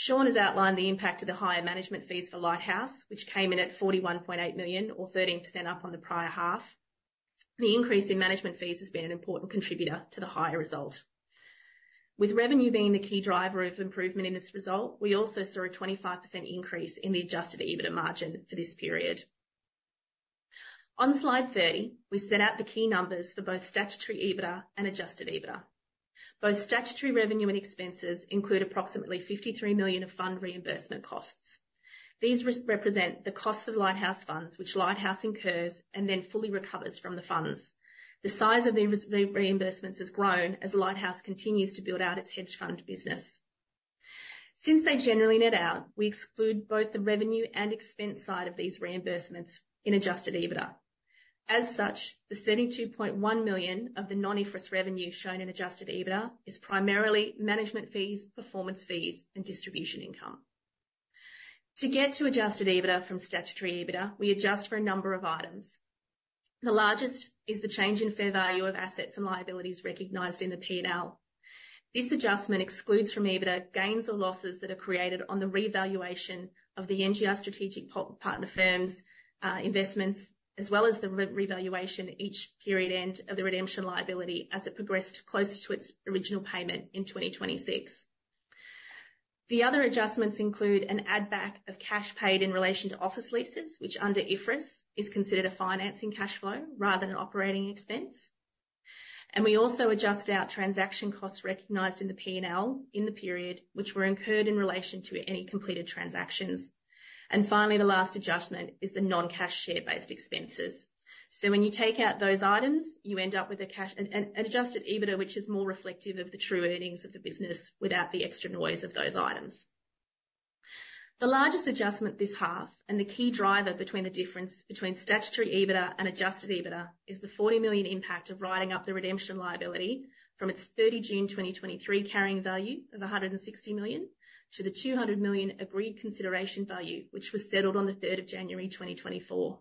Sean has outlined the impact of the higher management fees for Lighthouse, which came in at $41.8 million or 13% up on the prior half. The increase in management fees has been an important contributor to the higher result. With revenue being the key driver of improvement in this result, we also saw a 25% increase in the adjusted EBITDA margin for this period. On slide 30, we set out the key numbers for both statutory EBITDA and adjusted EBITDA. Both statutory revenue and expenses include approximately $53 million of fund reimbursement costs. These represent the cost of Lighthouse funds, which Lighthouse incurs and then fully recovers from the funds. The size of the reimbursements has grown as Lighthouse continues to build out its hedge fund business. Since they generally net out, we exclude both the revenue and expense side of these reimbursements in adjusted EBITDA. As such, the $72.1 million of the non-IFRS revenue shown in adjusted EBITDA is primarily management fees, performance fees, and distribution income. To get to adjusted EBITDA from statutory EBITDA, we adjust for a number of items. The largest is the change in fair value of assets and liabilities recognized in the P&L. This adjustment excludes from EBITDA gains or losses that are created on the revaluation of the NGI Strategic Partner firms investments, as well as the revaluation each period end of the redemption liability as it progressed closer to its original payment in 2026. The other adjustments include an add-back of cash paid in relation to office leases, which under IFRS is considered a financing cash flow rather than an operating expense. We also adjust out transaction costs recognized in the P&L in the period, which were incurred in relation to any completed transactions. Finally, the last adjustment is the non-cash share-based expenses. So when you take out those items, you end up with an adjusted EBITDA, which is more reflective of the true earnings of the business without the extra noise of those items. The largest adjustment this half, and the key driver between the difference between statutory EBITDA and adjusted EBITDA, is the $40 million impact of writing up the redemption liability from its 30 June 2023 carrying value of $160 million, to the $200 million agreed consideration value, which was settled on the 3 January 2024.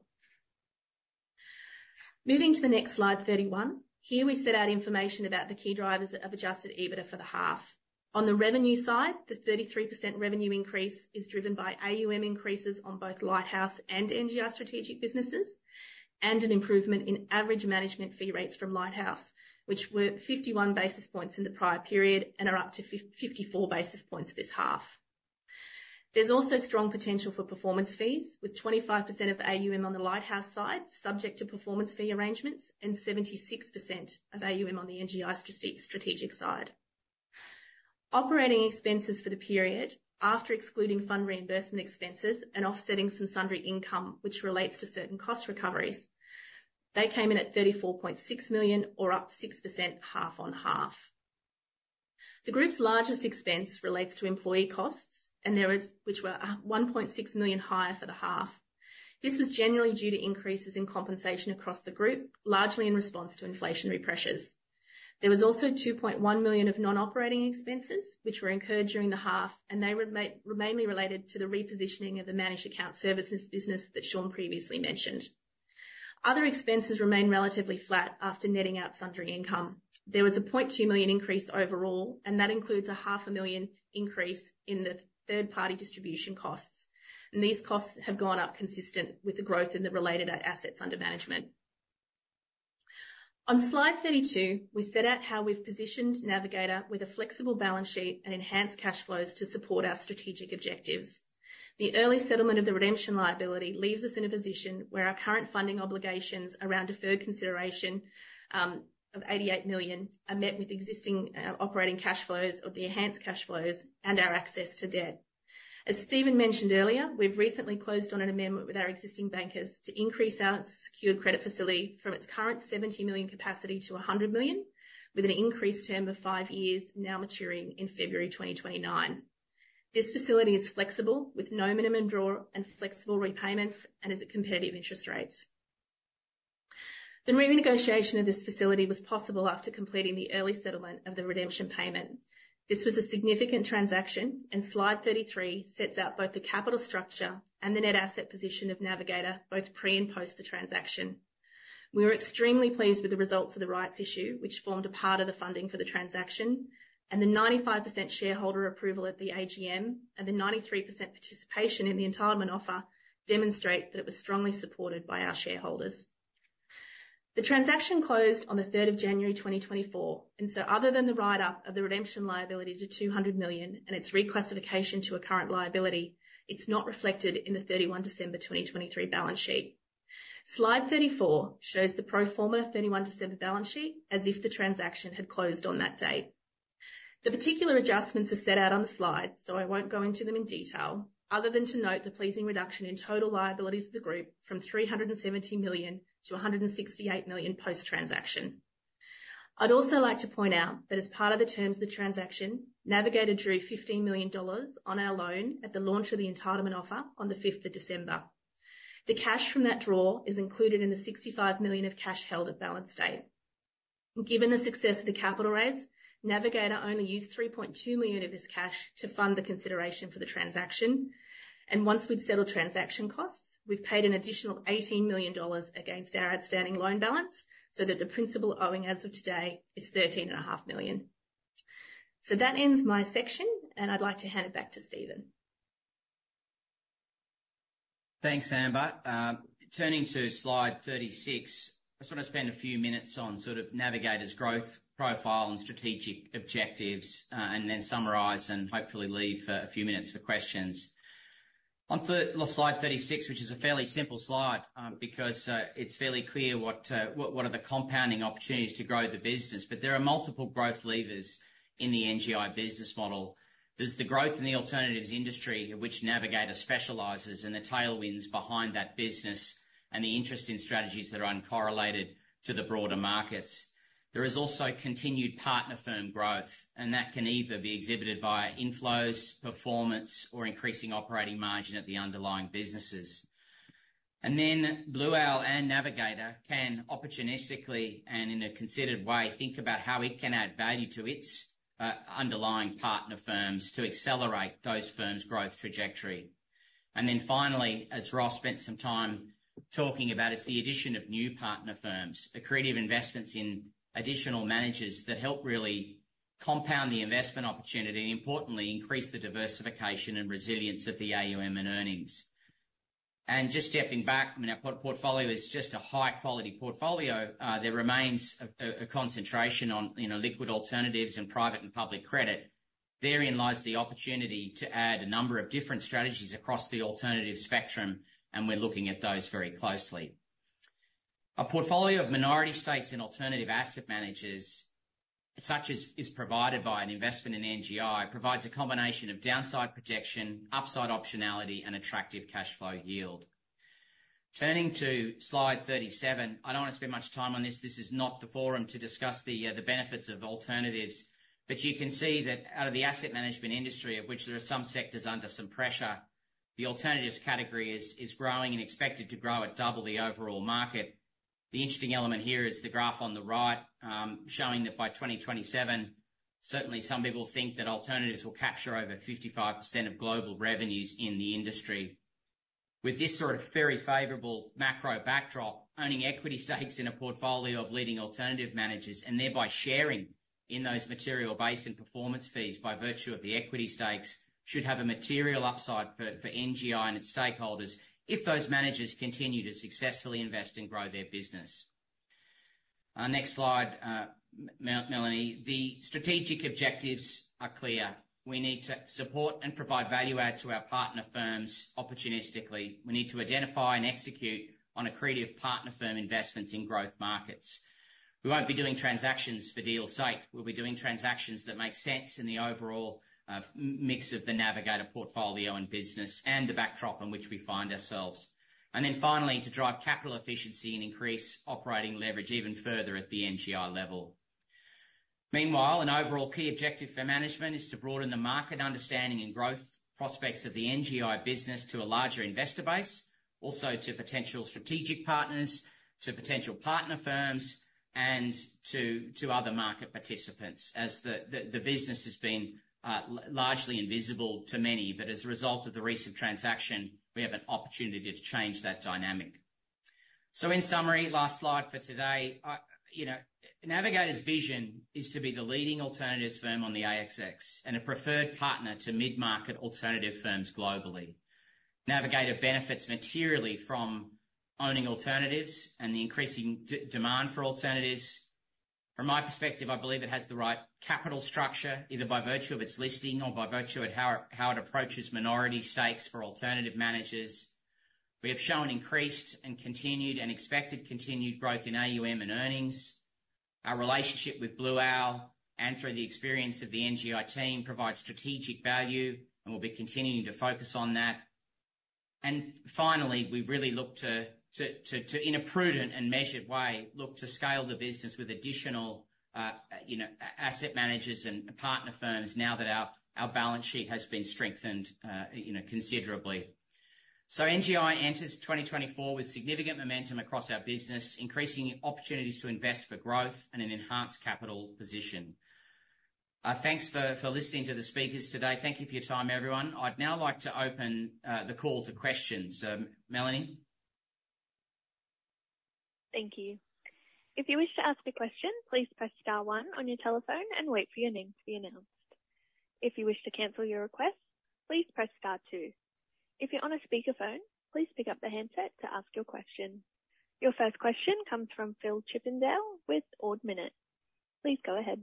Moving to the next slide, 31. Here we set out information about the key drivers of adjusted EBITDA for the half. On the revenue side, the 33% revenue increase is driven by AUM increases on both Lighthouse and NGI strategic businesses, and an improvement in average management fee rates from Lighthouse, which were 51 basis points in the prior period and are up to 54 basis points this half. There's also strong potential for performance fees, with 25% of AUM on the Lighthouse side subject to performance fee arrangements and 76% of AUM on the NGI strategic side. Operating expenses for the period, after excluding fund reimbursement expenses and offsetting some sundry income, which relates to certain cost recoveries, they came in at $34.6 million or up 6%, half-on-half. The group's largest expense relates to employee costs, which were at $1.6 million higher for the half. This was generally due to increases in compensation across the group, largely in response to inflationary pressures. There was also $2.1 million of non-operating expenses, which were incurred during the half, and they were mainly related to the repositioning of the managed account services business that Sean previously mentioned. Other expenses remained relatively flat after netting out sundry income. There was a $0.2 million increase overall, and that includes a $0.5 million increase in the third-party distribution costs, and these costs have gone up consistent with the growth in the related, assets under management. On slide 32, we set out how we've positioned Navigator with a flexible balance sheet and enhanced cash flows to support our strategic objectives. The early settlement of the redemption liability leaves us in a position where our current funding obligations around deferred consideration of $88 million are met with existing, operating cash flows of the enhanced cash flows and our access to debt. As Stephen mentioned earlier, we've recently closed on an amendment with our existing bankers to increase our secured credit facility from its current $70 million capacity to $100 million, with an increased term of 5 years, now maturing in February 2029. This facility is flexible, with no minimum draw and flexible repayments, and is at competitive interest rates. The renegotiation of this facility was possible after completing the early settlement of the redemption payment. This was a significant transaction, and slide 33 sets out both the capital structure and the net asset position of Navigator, both pre- and post- the transaction. We were extremely pleased with the results of the rights issue, which formed a part of the funding for the transaction, and the 95% shareholder approval at the AGM, and the 93% participation in the entitlement offer demonstrate that it was strongly supported by our shareholders. The transaction closed on the third of January 2024, and so other than the write-up of the redemption liability to $200 million and its reclassification to a current liability, it's not reflected in the 31 December 2023 balance sheet. Slide 34 shows the pro forma 31 December balance sheet as if the transaction had closed on that date. The particular adjustments are set out on the slide, so I won't go into them in detail, other than to note the pleasing reduction in total liabilities of the group from $370 million to $168 million post-transaction. I'd also like to point out that as part of the terms of the transaction, Navigator drew $15 million on our loan at the launch of the entitlement offer on the 5th of December. The cash from that draw is included in the $65 million of cash held at balance date. Given the success of the capital raise, Navigator only used $3.2 million of this cash to fund the consideration for the transaction, and once we'd settled transaction costs, we've paid an additional $18 million against our outstanding loan balance so that the principal owing as of today is $13.5 million. So that ends my section, and I'd like to hand it back to Stephen. Thanks, Amber. Turning to slide 36, I just want to spend a few minutes on sort of Navigator's growth profile and strategic objectives, and then summarize and hopefully leave a few minutes for questions. On slide 36, which is a fairly simple slide, because it's fairly clear what are the compounding opportunities to grow the business. But there are multiple growth levers in the NGI business model. There's the growth in the alternatives industry, which Navigator specializes, and the tailwinds behind that business, and the interest in strategies that are uncorrelated to the broader markets. There is also continued partner firm growth, and that can either be exhibited via inflows, performance, or increasing operating margin at the underlying businesses. And then Blue Owl and Navigator can opportunistically, and in a considered way, think about how it can add value to its underlying partner firms to accelerate those firms' growth trajectory. And then finally, as Ross spent some time talking about, it's the addition of new partner firms. Accretive investments in additional managers that help really compound the investment opportunity, and importantly, increase the diversification and resilience of the AUM and earnings. And just stepping back, I mean, our portfolio is just a high-quality portfolio. There remains a concentration on, you know, liquid alternatives and private and public credit. Therein lies the opportunity to add a number of different strategies across the alternative spectrum, and we're looking at those very closely. A portfolio of minority stakes in alternative asset managers, such as is provided by an investment in NGI, provides a combination of downside protection, upside optionality, and attractive cash flow yield. Turning to slide 37, I don't want to spend much time on this. This is not the forum to discuss the benefits of alternatives, but you can see that out of the asset management industry, of which there are some sectors under some pressure, the alternatives category is growing and expected to grow at double the overall market. The interesting element here is the graph on the right, showing that by 2027, certainly some people think that alternatives will capture over 55% of global revenues in the industry. With this sort of very favorable macro backdrop, owning equity stakes in a portfolio of leading alternative managers, and thereby sharing in those material base and performance fees by virtue of the equity stakes, should have a material upside for NGI and its stakeholders if those managers continue to successfully invest and grow their business. Next slide, Melanie. The strategic objectives are clear. We need to support and provide value add to our partner firms opportunistically. We need to identify and execute on accretive partner firm investments in growth markets. We won't be doing transactions for deal's sake. We'll be doing transactions that make sense in the overall mix of the Navigator portfolio and business and the backdrop in which we find ourselves. Then finally, to drive capital efficiency and increase operating leverage even further at the NGI level. Meanwhile, an overall key objective for management is to broaden the market understanding and growth prospects of the NGI business to a larger investor base, also to potential strategic partners, to potential partner firms, and to other market participants, as the business has been largely invisible to many. But as a result of the recent transaction, we have an opportunity to change that dynamic. So in summary, last slide for today. I... You know, Navigator's vision is to be the leading alternatives firm on the ASX, and a preferred partner to mid-market alternative firms globally. Navigator benefits materially from owning alternatives and the increasing demand for alternatives. From my perspective, I believe it has the right capital structure, either by virtue of its listing or by virtue of how it approaches minority stakes for alternative managers. We have shown increased and continued, and expected continued growth in AUM and earnings. Our relationship with Blue Owl, and through the experience of the NGI team, provides strategic value, and we'll be continuing to focus on that. Finally, we've really looked to in a prudent and measured way look to scale the business with additional, you know, asset managers and partner firms, now that our balance sheet has been strengthened, you know, considerably. So NGI enters 2024 with significant momentum across our business, increasing opportunities to invest for growth and an enhanced capital position. Thanks for listening to the speakers today. Thank you for your time, everyone. I'd now like to open the call to questions. Melanie? Thank you. If you wish to ask a question, please press star one on your telephone and wait for your name to be announced. If you wish to cancel your request, please press star two. If you're on a speakerphone, please pick up the handset to ask your question. Your first question comes from Phil Chippendale with Ord Minnett. Please go ahead.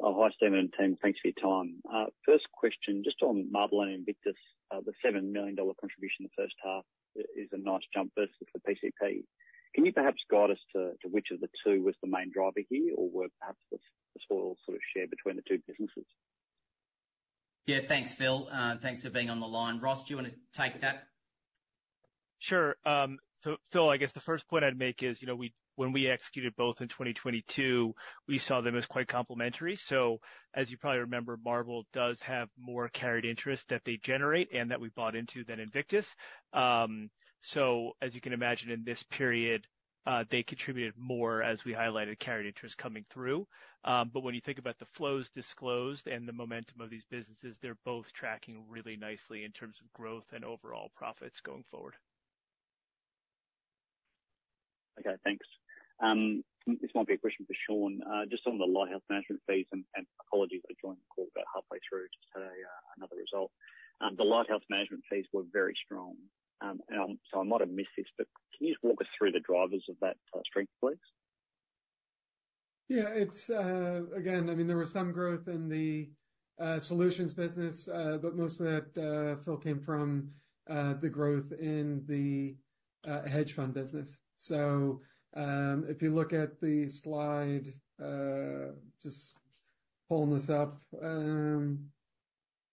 Oh, hi, Stephen and team. Thanks for your time. First question, just on Marble and Invictus, the $7 million contribution in the first half is, is a nice jump versus the PCP. Can you perhaps guide us to, to which of the two was the main driver here? Or were perhaps the spoils sort of shared between the two businesses? Yeah, thanks, Phil. Thanks for being on the line. Ross, do you want to take that? Sure. So Phil, I guess the first point I'd make is, you know, when we executed both in 2022, we saw them as quite complementary. So as you probably remember, Marble does have more carried interest that they generate and that we bought into than Invictus. So as you can imagine, in this period, they contributed more, as we highlighted, carried interest coming through. But when you think about the flows disclosed and the momentum of these businesses, they're both tracking really nicely in terms of growth and overall profits going forward. Okay, thanks. This might be a question for Sean. Just on the Lighthouse management fees, and apologies, I joined the call about halfway through today, another result. The Lighthouse management fees were very strong. And so I might have missed this, but can you just walk us through the drivers of that strength, please? Yeah, it's, again, I mean, there was some growth in the, solutions business, but most of that, Phil, came from, the growth in the, hedge fund business. So, if you look at the slide, just pulling this up,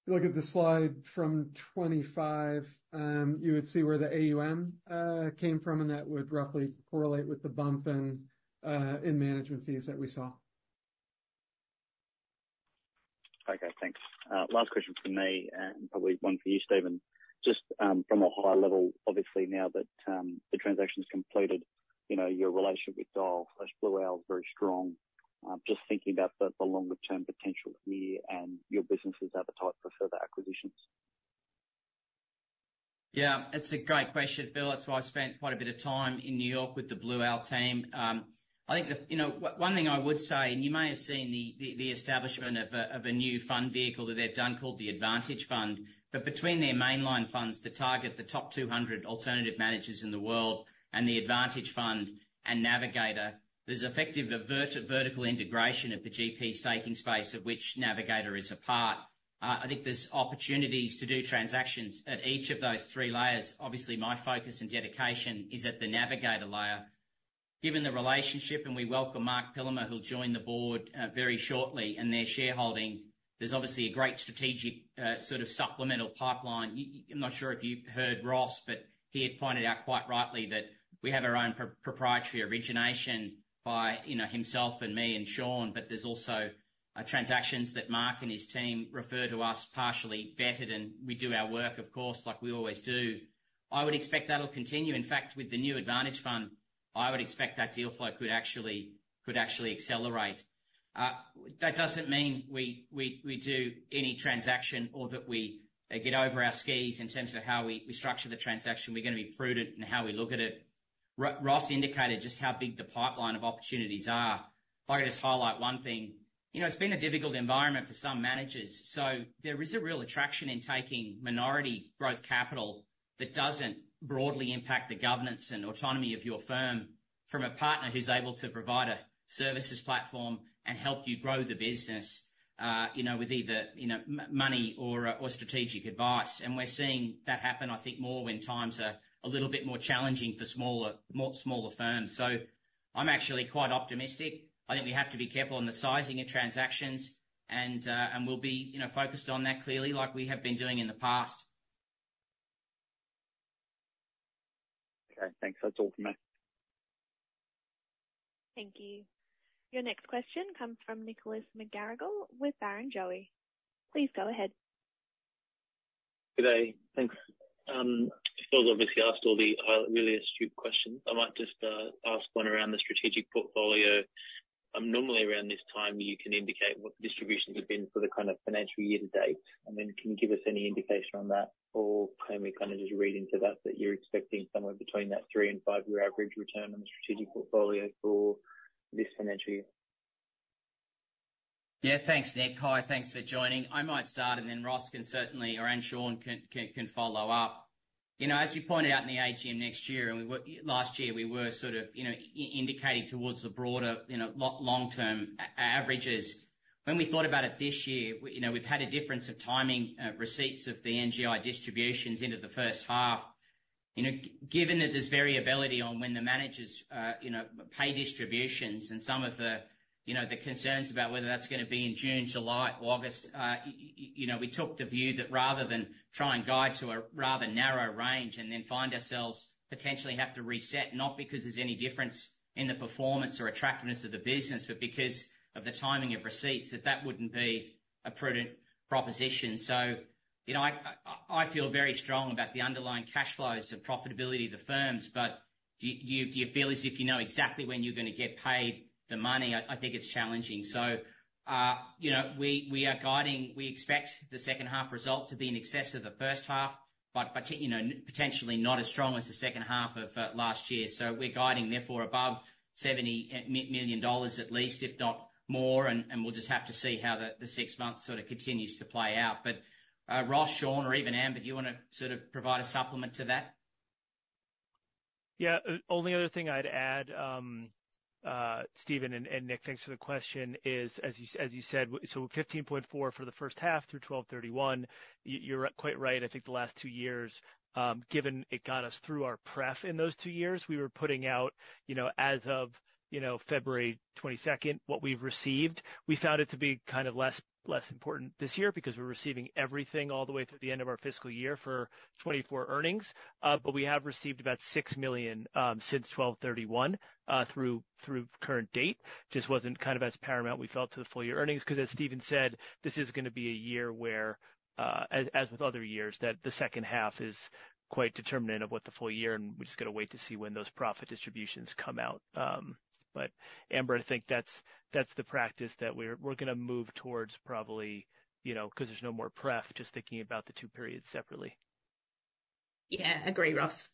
if you look at the slide from 25, you would see where the AUM, came from, and that would roughly correlate with the bump in, management fees that we saw. Okay, thanks. Last question from me, and probably one for you, Stephen. Just, from a high level, obviously now that the transaction's completed, you know, your relationship with Dyal/Blue Owl is very strong. Just thinking about the, the longer term potential here and your business's appetite for further acquisitions. Yeah, it's a great question, Phil. That's why I spent quite a bit of time in New York with the Blue Owl team. I think the... You know, one thing I would say, and you may have seen the establishment of a new fund vehicle that they've done called the Advantage Fund. But between their mainline funds, that target the top 200 alternative managers in the world, and the Advantage Fund and Navigator, there's effectively a vertical integration of the GP staking space, of which Navigator is a part. I think there's opportunities to do transactions at each of those three layers. Obviously, my focus and dedication is at the Navigator layer. Given the relationship, and we welcome Marc Pillemer, who'll join the board, very shortly, and their shareholding, there's obviously a great strategic, sort of supplemental pipeline. I'm not sure if you heard Ross, but he had pointed out, quite rightly, that we have our own proprietary origination by, you know, himself and me and Sean, but there's also transactions that Marc and his team refer to us, partially vetted, and we do our work, of course, like we always do. I would expect that'll continue. In fact, with the new Advantage Fund, I would expect that deal flow could actually accelerate. That doesn't mean we do any transaction or that we get over our skis in terms of how we structure the transaction. We're gonna be prudent in how we look at it. Ross indicated just how big the pipeline of opportunities are. If I could just highlight one thing, you know, it's been a difficult environment for some managers, so there is a real attraction in taking minority growth capital that doesn't broadly impact the governance and autonomy of your firm from a partner who's able to provide a services platform and help you grow the business, you know, with either, you know, money or, or strategic advice. And we're seeing that happen, I think, more when times are a little bit more challenging for smaller, more smaller firms. So I'm actually quite optimistic. I think we have to be careful on the sizing of transactions, and, and we'll be, you know, focused on that clearly, like we have been doing in the past. Okay, thanks. That's all from me. Thank you. Your next question comes from Nicholas McGarrigle with Barrenjoey. Please go ahead. Good day. Thanks. Phil obviously asked all the, really astute questions. I might just, ask one around the strategic portfolio. Normally around this time, you can indicate what the distributions have been for the kind of financial year to date, and then can you give us any indication on that? Or can we kind of just read into that, that you're expecting somewhere between that three and five-year average return on the strategic portfolio for this financial year? Yeah, thanks, Nick. Hi, thanks for joining. I might start, and then Ross can certainly, or, and Sean can follow up. You know, as you pointed out in the AGM next year, and we were last year, we were sort of, you know, indicating towards the broader, you know, long-term averages. When we thought about it this year, you know, we've had a difference of timing, receipts of the NGI distributions into the first half. You know, given that there's variability on when the managers, you know, pay distributions and some of the, you know, the concerns about whether that's gonna be in June, July or August, you know, we took the view that rather than try and guide to a rather narrow range and then find ourselves potentially have to reset, not because there's any difference in the performance or attractiveness of the business, but because of the timing of receipts, that that wouldn't be a prudent proposition. So, you know, I feel very strong about the underlying cash flows and profitability of the firms. But do you feel as if you know exactly when you're gonna get paid the money? I think it's challenging. So, you know, we are guiding... We expect the second half result to be in excess of the first half, but you know, potentially not as strong as the second half of last year. So we're guiding, therefore, above $70 million at least, if not more, and we'll just have to see how the six months sort of continues to play out. But Ross, Sean, or even Amber, do you wanna sort of provide a supplement to that? Yeah. Only other thing I'd add, Stephen, and Nick, thanks for the question, is, as you said, so 15.4 for the first half through 12/31, you're quite right. I think the last two years, given it got us through our prep in those two years, we were putting out, you know, as of, you know, February 22, what we've received. We found it to be kind of less, less important this year because we're receiving everything all the way through the end of our fiscal year for 2024 earnings. But we have received about $6 million, since 12/31, through current date. Just wasn't kind of as paramount, we felt, to the full year earnings, 'cause as Stephen said, this is gonna be a year where, as with other years, that the second half is quite determinant of what the full year, and we've just got to wait to see when those profit distributions come out. But Amber, I think that's the practice that we're gonna move towards probably, you know, 'cause there's no more prep, just thinking about the two periods separately. Yeah, agree, Ross.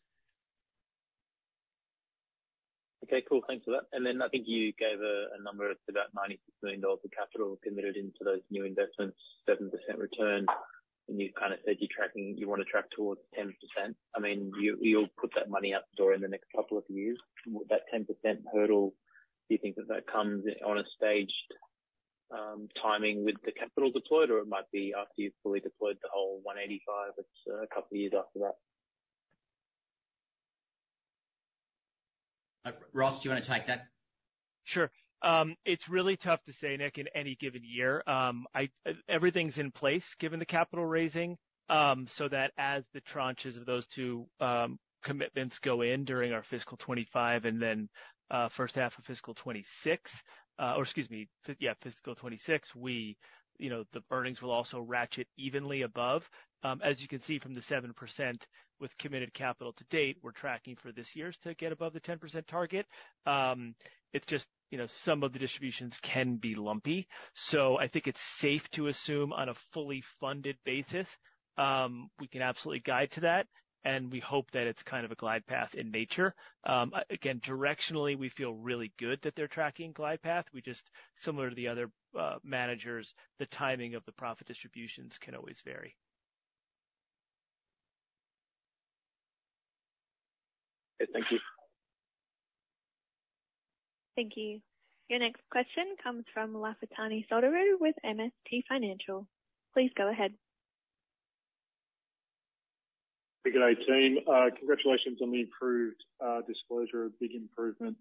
Okay, cool. Thanks for that. And then I think you gave a number of about $96 million of capital committed into those new investments, 7% return, and you kind of said you're tracking, you want to track towards 10%. I mean, you'll put that money out the door in the next couple of years. With that 10% hurdle, do you think that that comes in on a staged timing with the capital deployed, or it might be after you've fully deployed the whole $185 million, it's a couple of years after that? Ross, do you want to take that? Sure. It's really tough to say, Nick, in any given year. Everything's in place, given the capital raising, so that as the tranches of those two commitments go in during our fiscal 2025 and then first half of fiscal 2026, we, you know, the earnings will also ratchet evenly above. As you can see from the 7% with committed capital to date, we're tracking for this year's to get above the 10% target. It's just, you know, some of the distributions can be lumpy, so I think it's safe to assume on a fully funded basis, we can absolutely guide to that, and we hope that it's kind of a glide path in nature. Again, directionally, we feel really good that they're tracking glide path. We just, similar to the other managers, the timing of the profit distributions can always vary. Thank you. Thank you. Your next question comes from Lafitani Sotiriou with MST Financial. Please go ahead. Hey, good day, team. Congratulations on the improved disclosure. A big improvement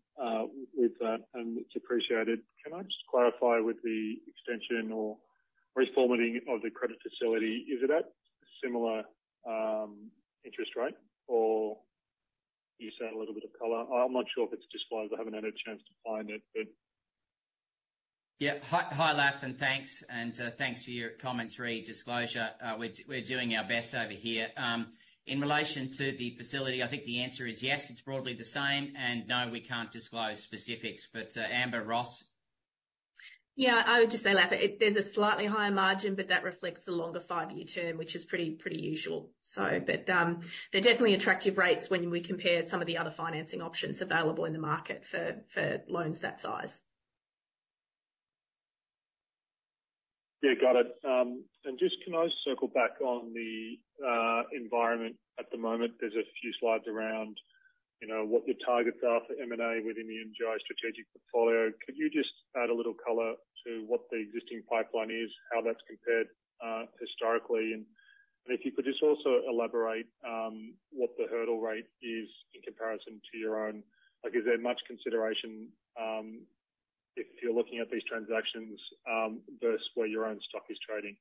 with that, and it's appreciated. Can I just clarify with the extension or reformatting of the credit facility, is it at similar interest rate, or can you share a little bit of color? I'm not sure if it's disclosed. I haven't had a chance to find it, but. Yeah. Hi, hi, Laf, and thanks, and, thanks for your comments re disclosure. We're doing our best over here. In relation to the facility, I think the answer is yes, it's broadly the same, and no, we can't disclose specifics, but, Amber, Ross? Yeah, I would just say, Laf, there's a slightly higher margin, but that reflects the longer five-year term, which is pretty, pretty usual. But, they're definitely attractive rates when we compare some of the other financing options available in the market for loans that size. Yeah, got it. And just can I circle back on the environment at the moment? There's a few slides around, you know, what the targets are for M&A within the NGI strategic portfolio. Could you just add a little color to what the existing pipeline is, how that's compared historically? And if you could just also elaborate what the hurdle rate is in comparison to your own... Like, is there much consideration if you're looking at these transactions versus where your own stock is trading?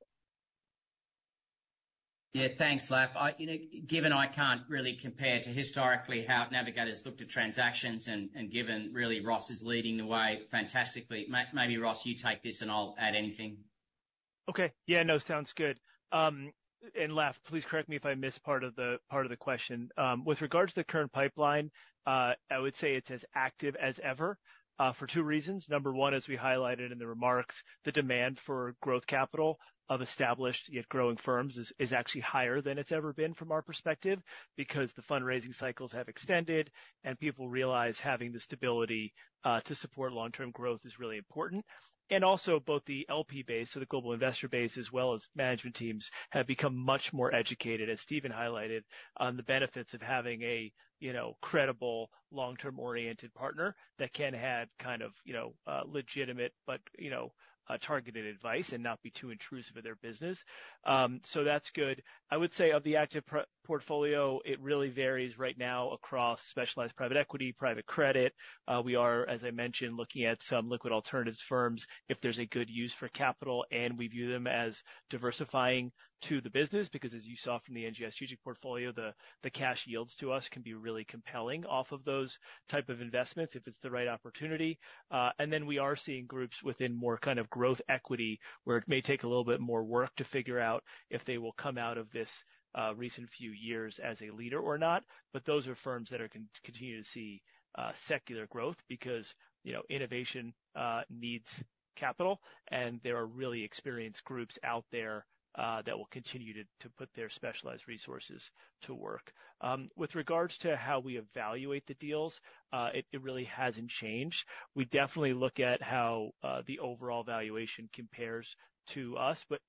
Yeah, thanks, Laf. I, you know, given I can't really compare to historically how Navigator's looked at transactions and, and given really Ross is leading the way fantastically, maybe Ross, you take this, and I'll add anything. Okay. Yeah, no, sounds good. And Laf, please correct me if I missed part of the, part of the question. With regards to the current pipeline, I would say it's as active as ever, for two reasons. Number one, as we highlighted in the remarks, the demand for growth capital of established yet growing firms is actually higher than it's ever been from our perspective, because the fundraising cycles have extended, and people realize having the stability to support long-term growth is really important. And also, both the LP base, so the global investor base, as well as management teams, have become much more educated, as Stephen highlighted, on the benefits of having a, you know, credible, long-term-oriented partner that can add kind of, you know, legitimate, but, you know, targeted advice and not be too intrusive in their business. So that's good. I would say of the active portfolio, it really varies right now across specialized private equity, private credit. We are, as I mentioned, looking at some liquid alternatives firms, if there's a good use for capital, and we view them as diversifying to the business, because as you saw from the NGI strategic portfolio, the cash yields to us can be really compelling off of those type of investments, if it's the right opportunity. And then we are seeing groups within more kind of growth equity, where it may take a little bit more work to figure out if they will come out of this, recent few years as a leader or not. But those are firms that are continue to see secular growth because, you know, innovation needs capital, and there are really experienced groups out there that will continue to put their specialized resources to work. With regards to how we evaluate the deals, it really hasn't changed. We definitely look at how the overall valuation compares to us, but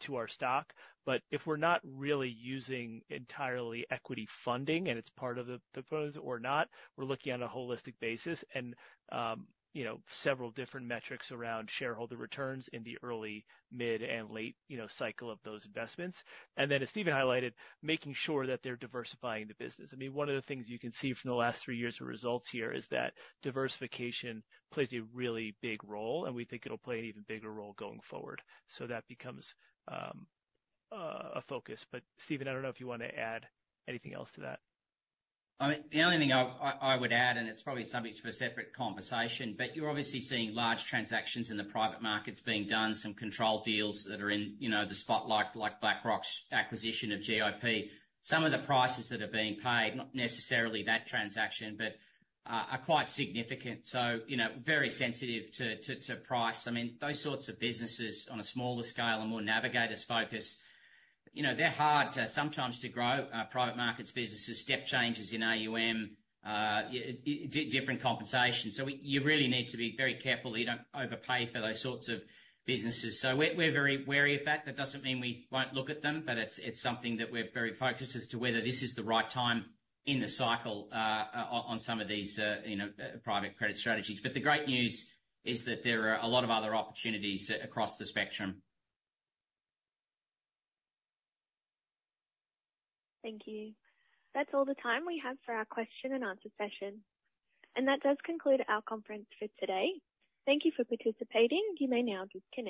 to our stock. But if we're not really using entirely equity funding, and it's part of the funds or not, we're looking at a holistic basis and, you know, several different metrics around shareholder returns in the early, mid, and late cycle of those investments. And then, as Stephen highlighted, making sure that they're diversifying the business. I mean, one of the things you can see from the last three years of results here is that diversification plays a really big role, and we think it'll play an even bigger role going forward. So that becomes a focus. But Stephen, I don't know if you want to add anything else to that. I mean, the only thing I would add, and it's probably subject for a separate conversation, but you're obviously seeing large transactions in the private markets being done, some controlled deals that are in, you know, the spotlight, like BlackRock's acquisition of GIP. Some of the prices that are being paid, not necessarily that transaction, but are quite significant, so, you know, very sensitive to price. I mean, those sorts of businesses, on a smaller scale and more Navigator's focused, you know, they're hard to sometimes to grow private markets businesses, step changes in AUM, and different compensation. So you really need to be very careful that you don't overpay for those sorts of businesses. So we're very wary of that. That doesn't mean we won't look at them, but it's, it's something that we're very focused as to whether this is the right time in the cycle, on some of these, you know, private credit strategies. But the great news is that there are a lot of other opportunities across the spectrum. Thank you. That's all the time we have for our question and answer session, and that does conclude our conference for today. Thank you for participating. You may now disconnect.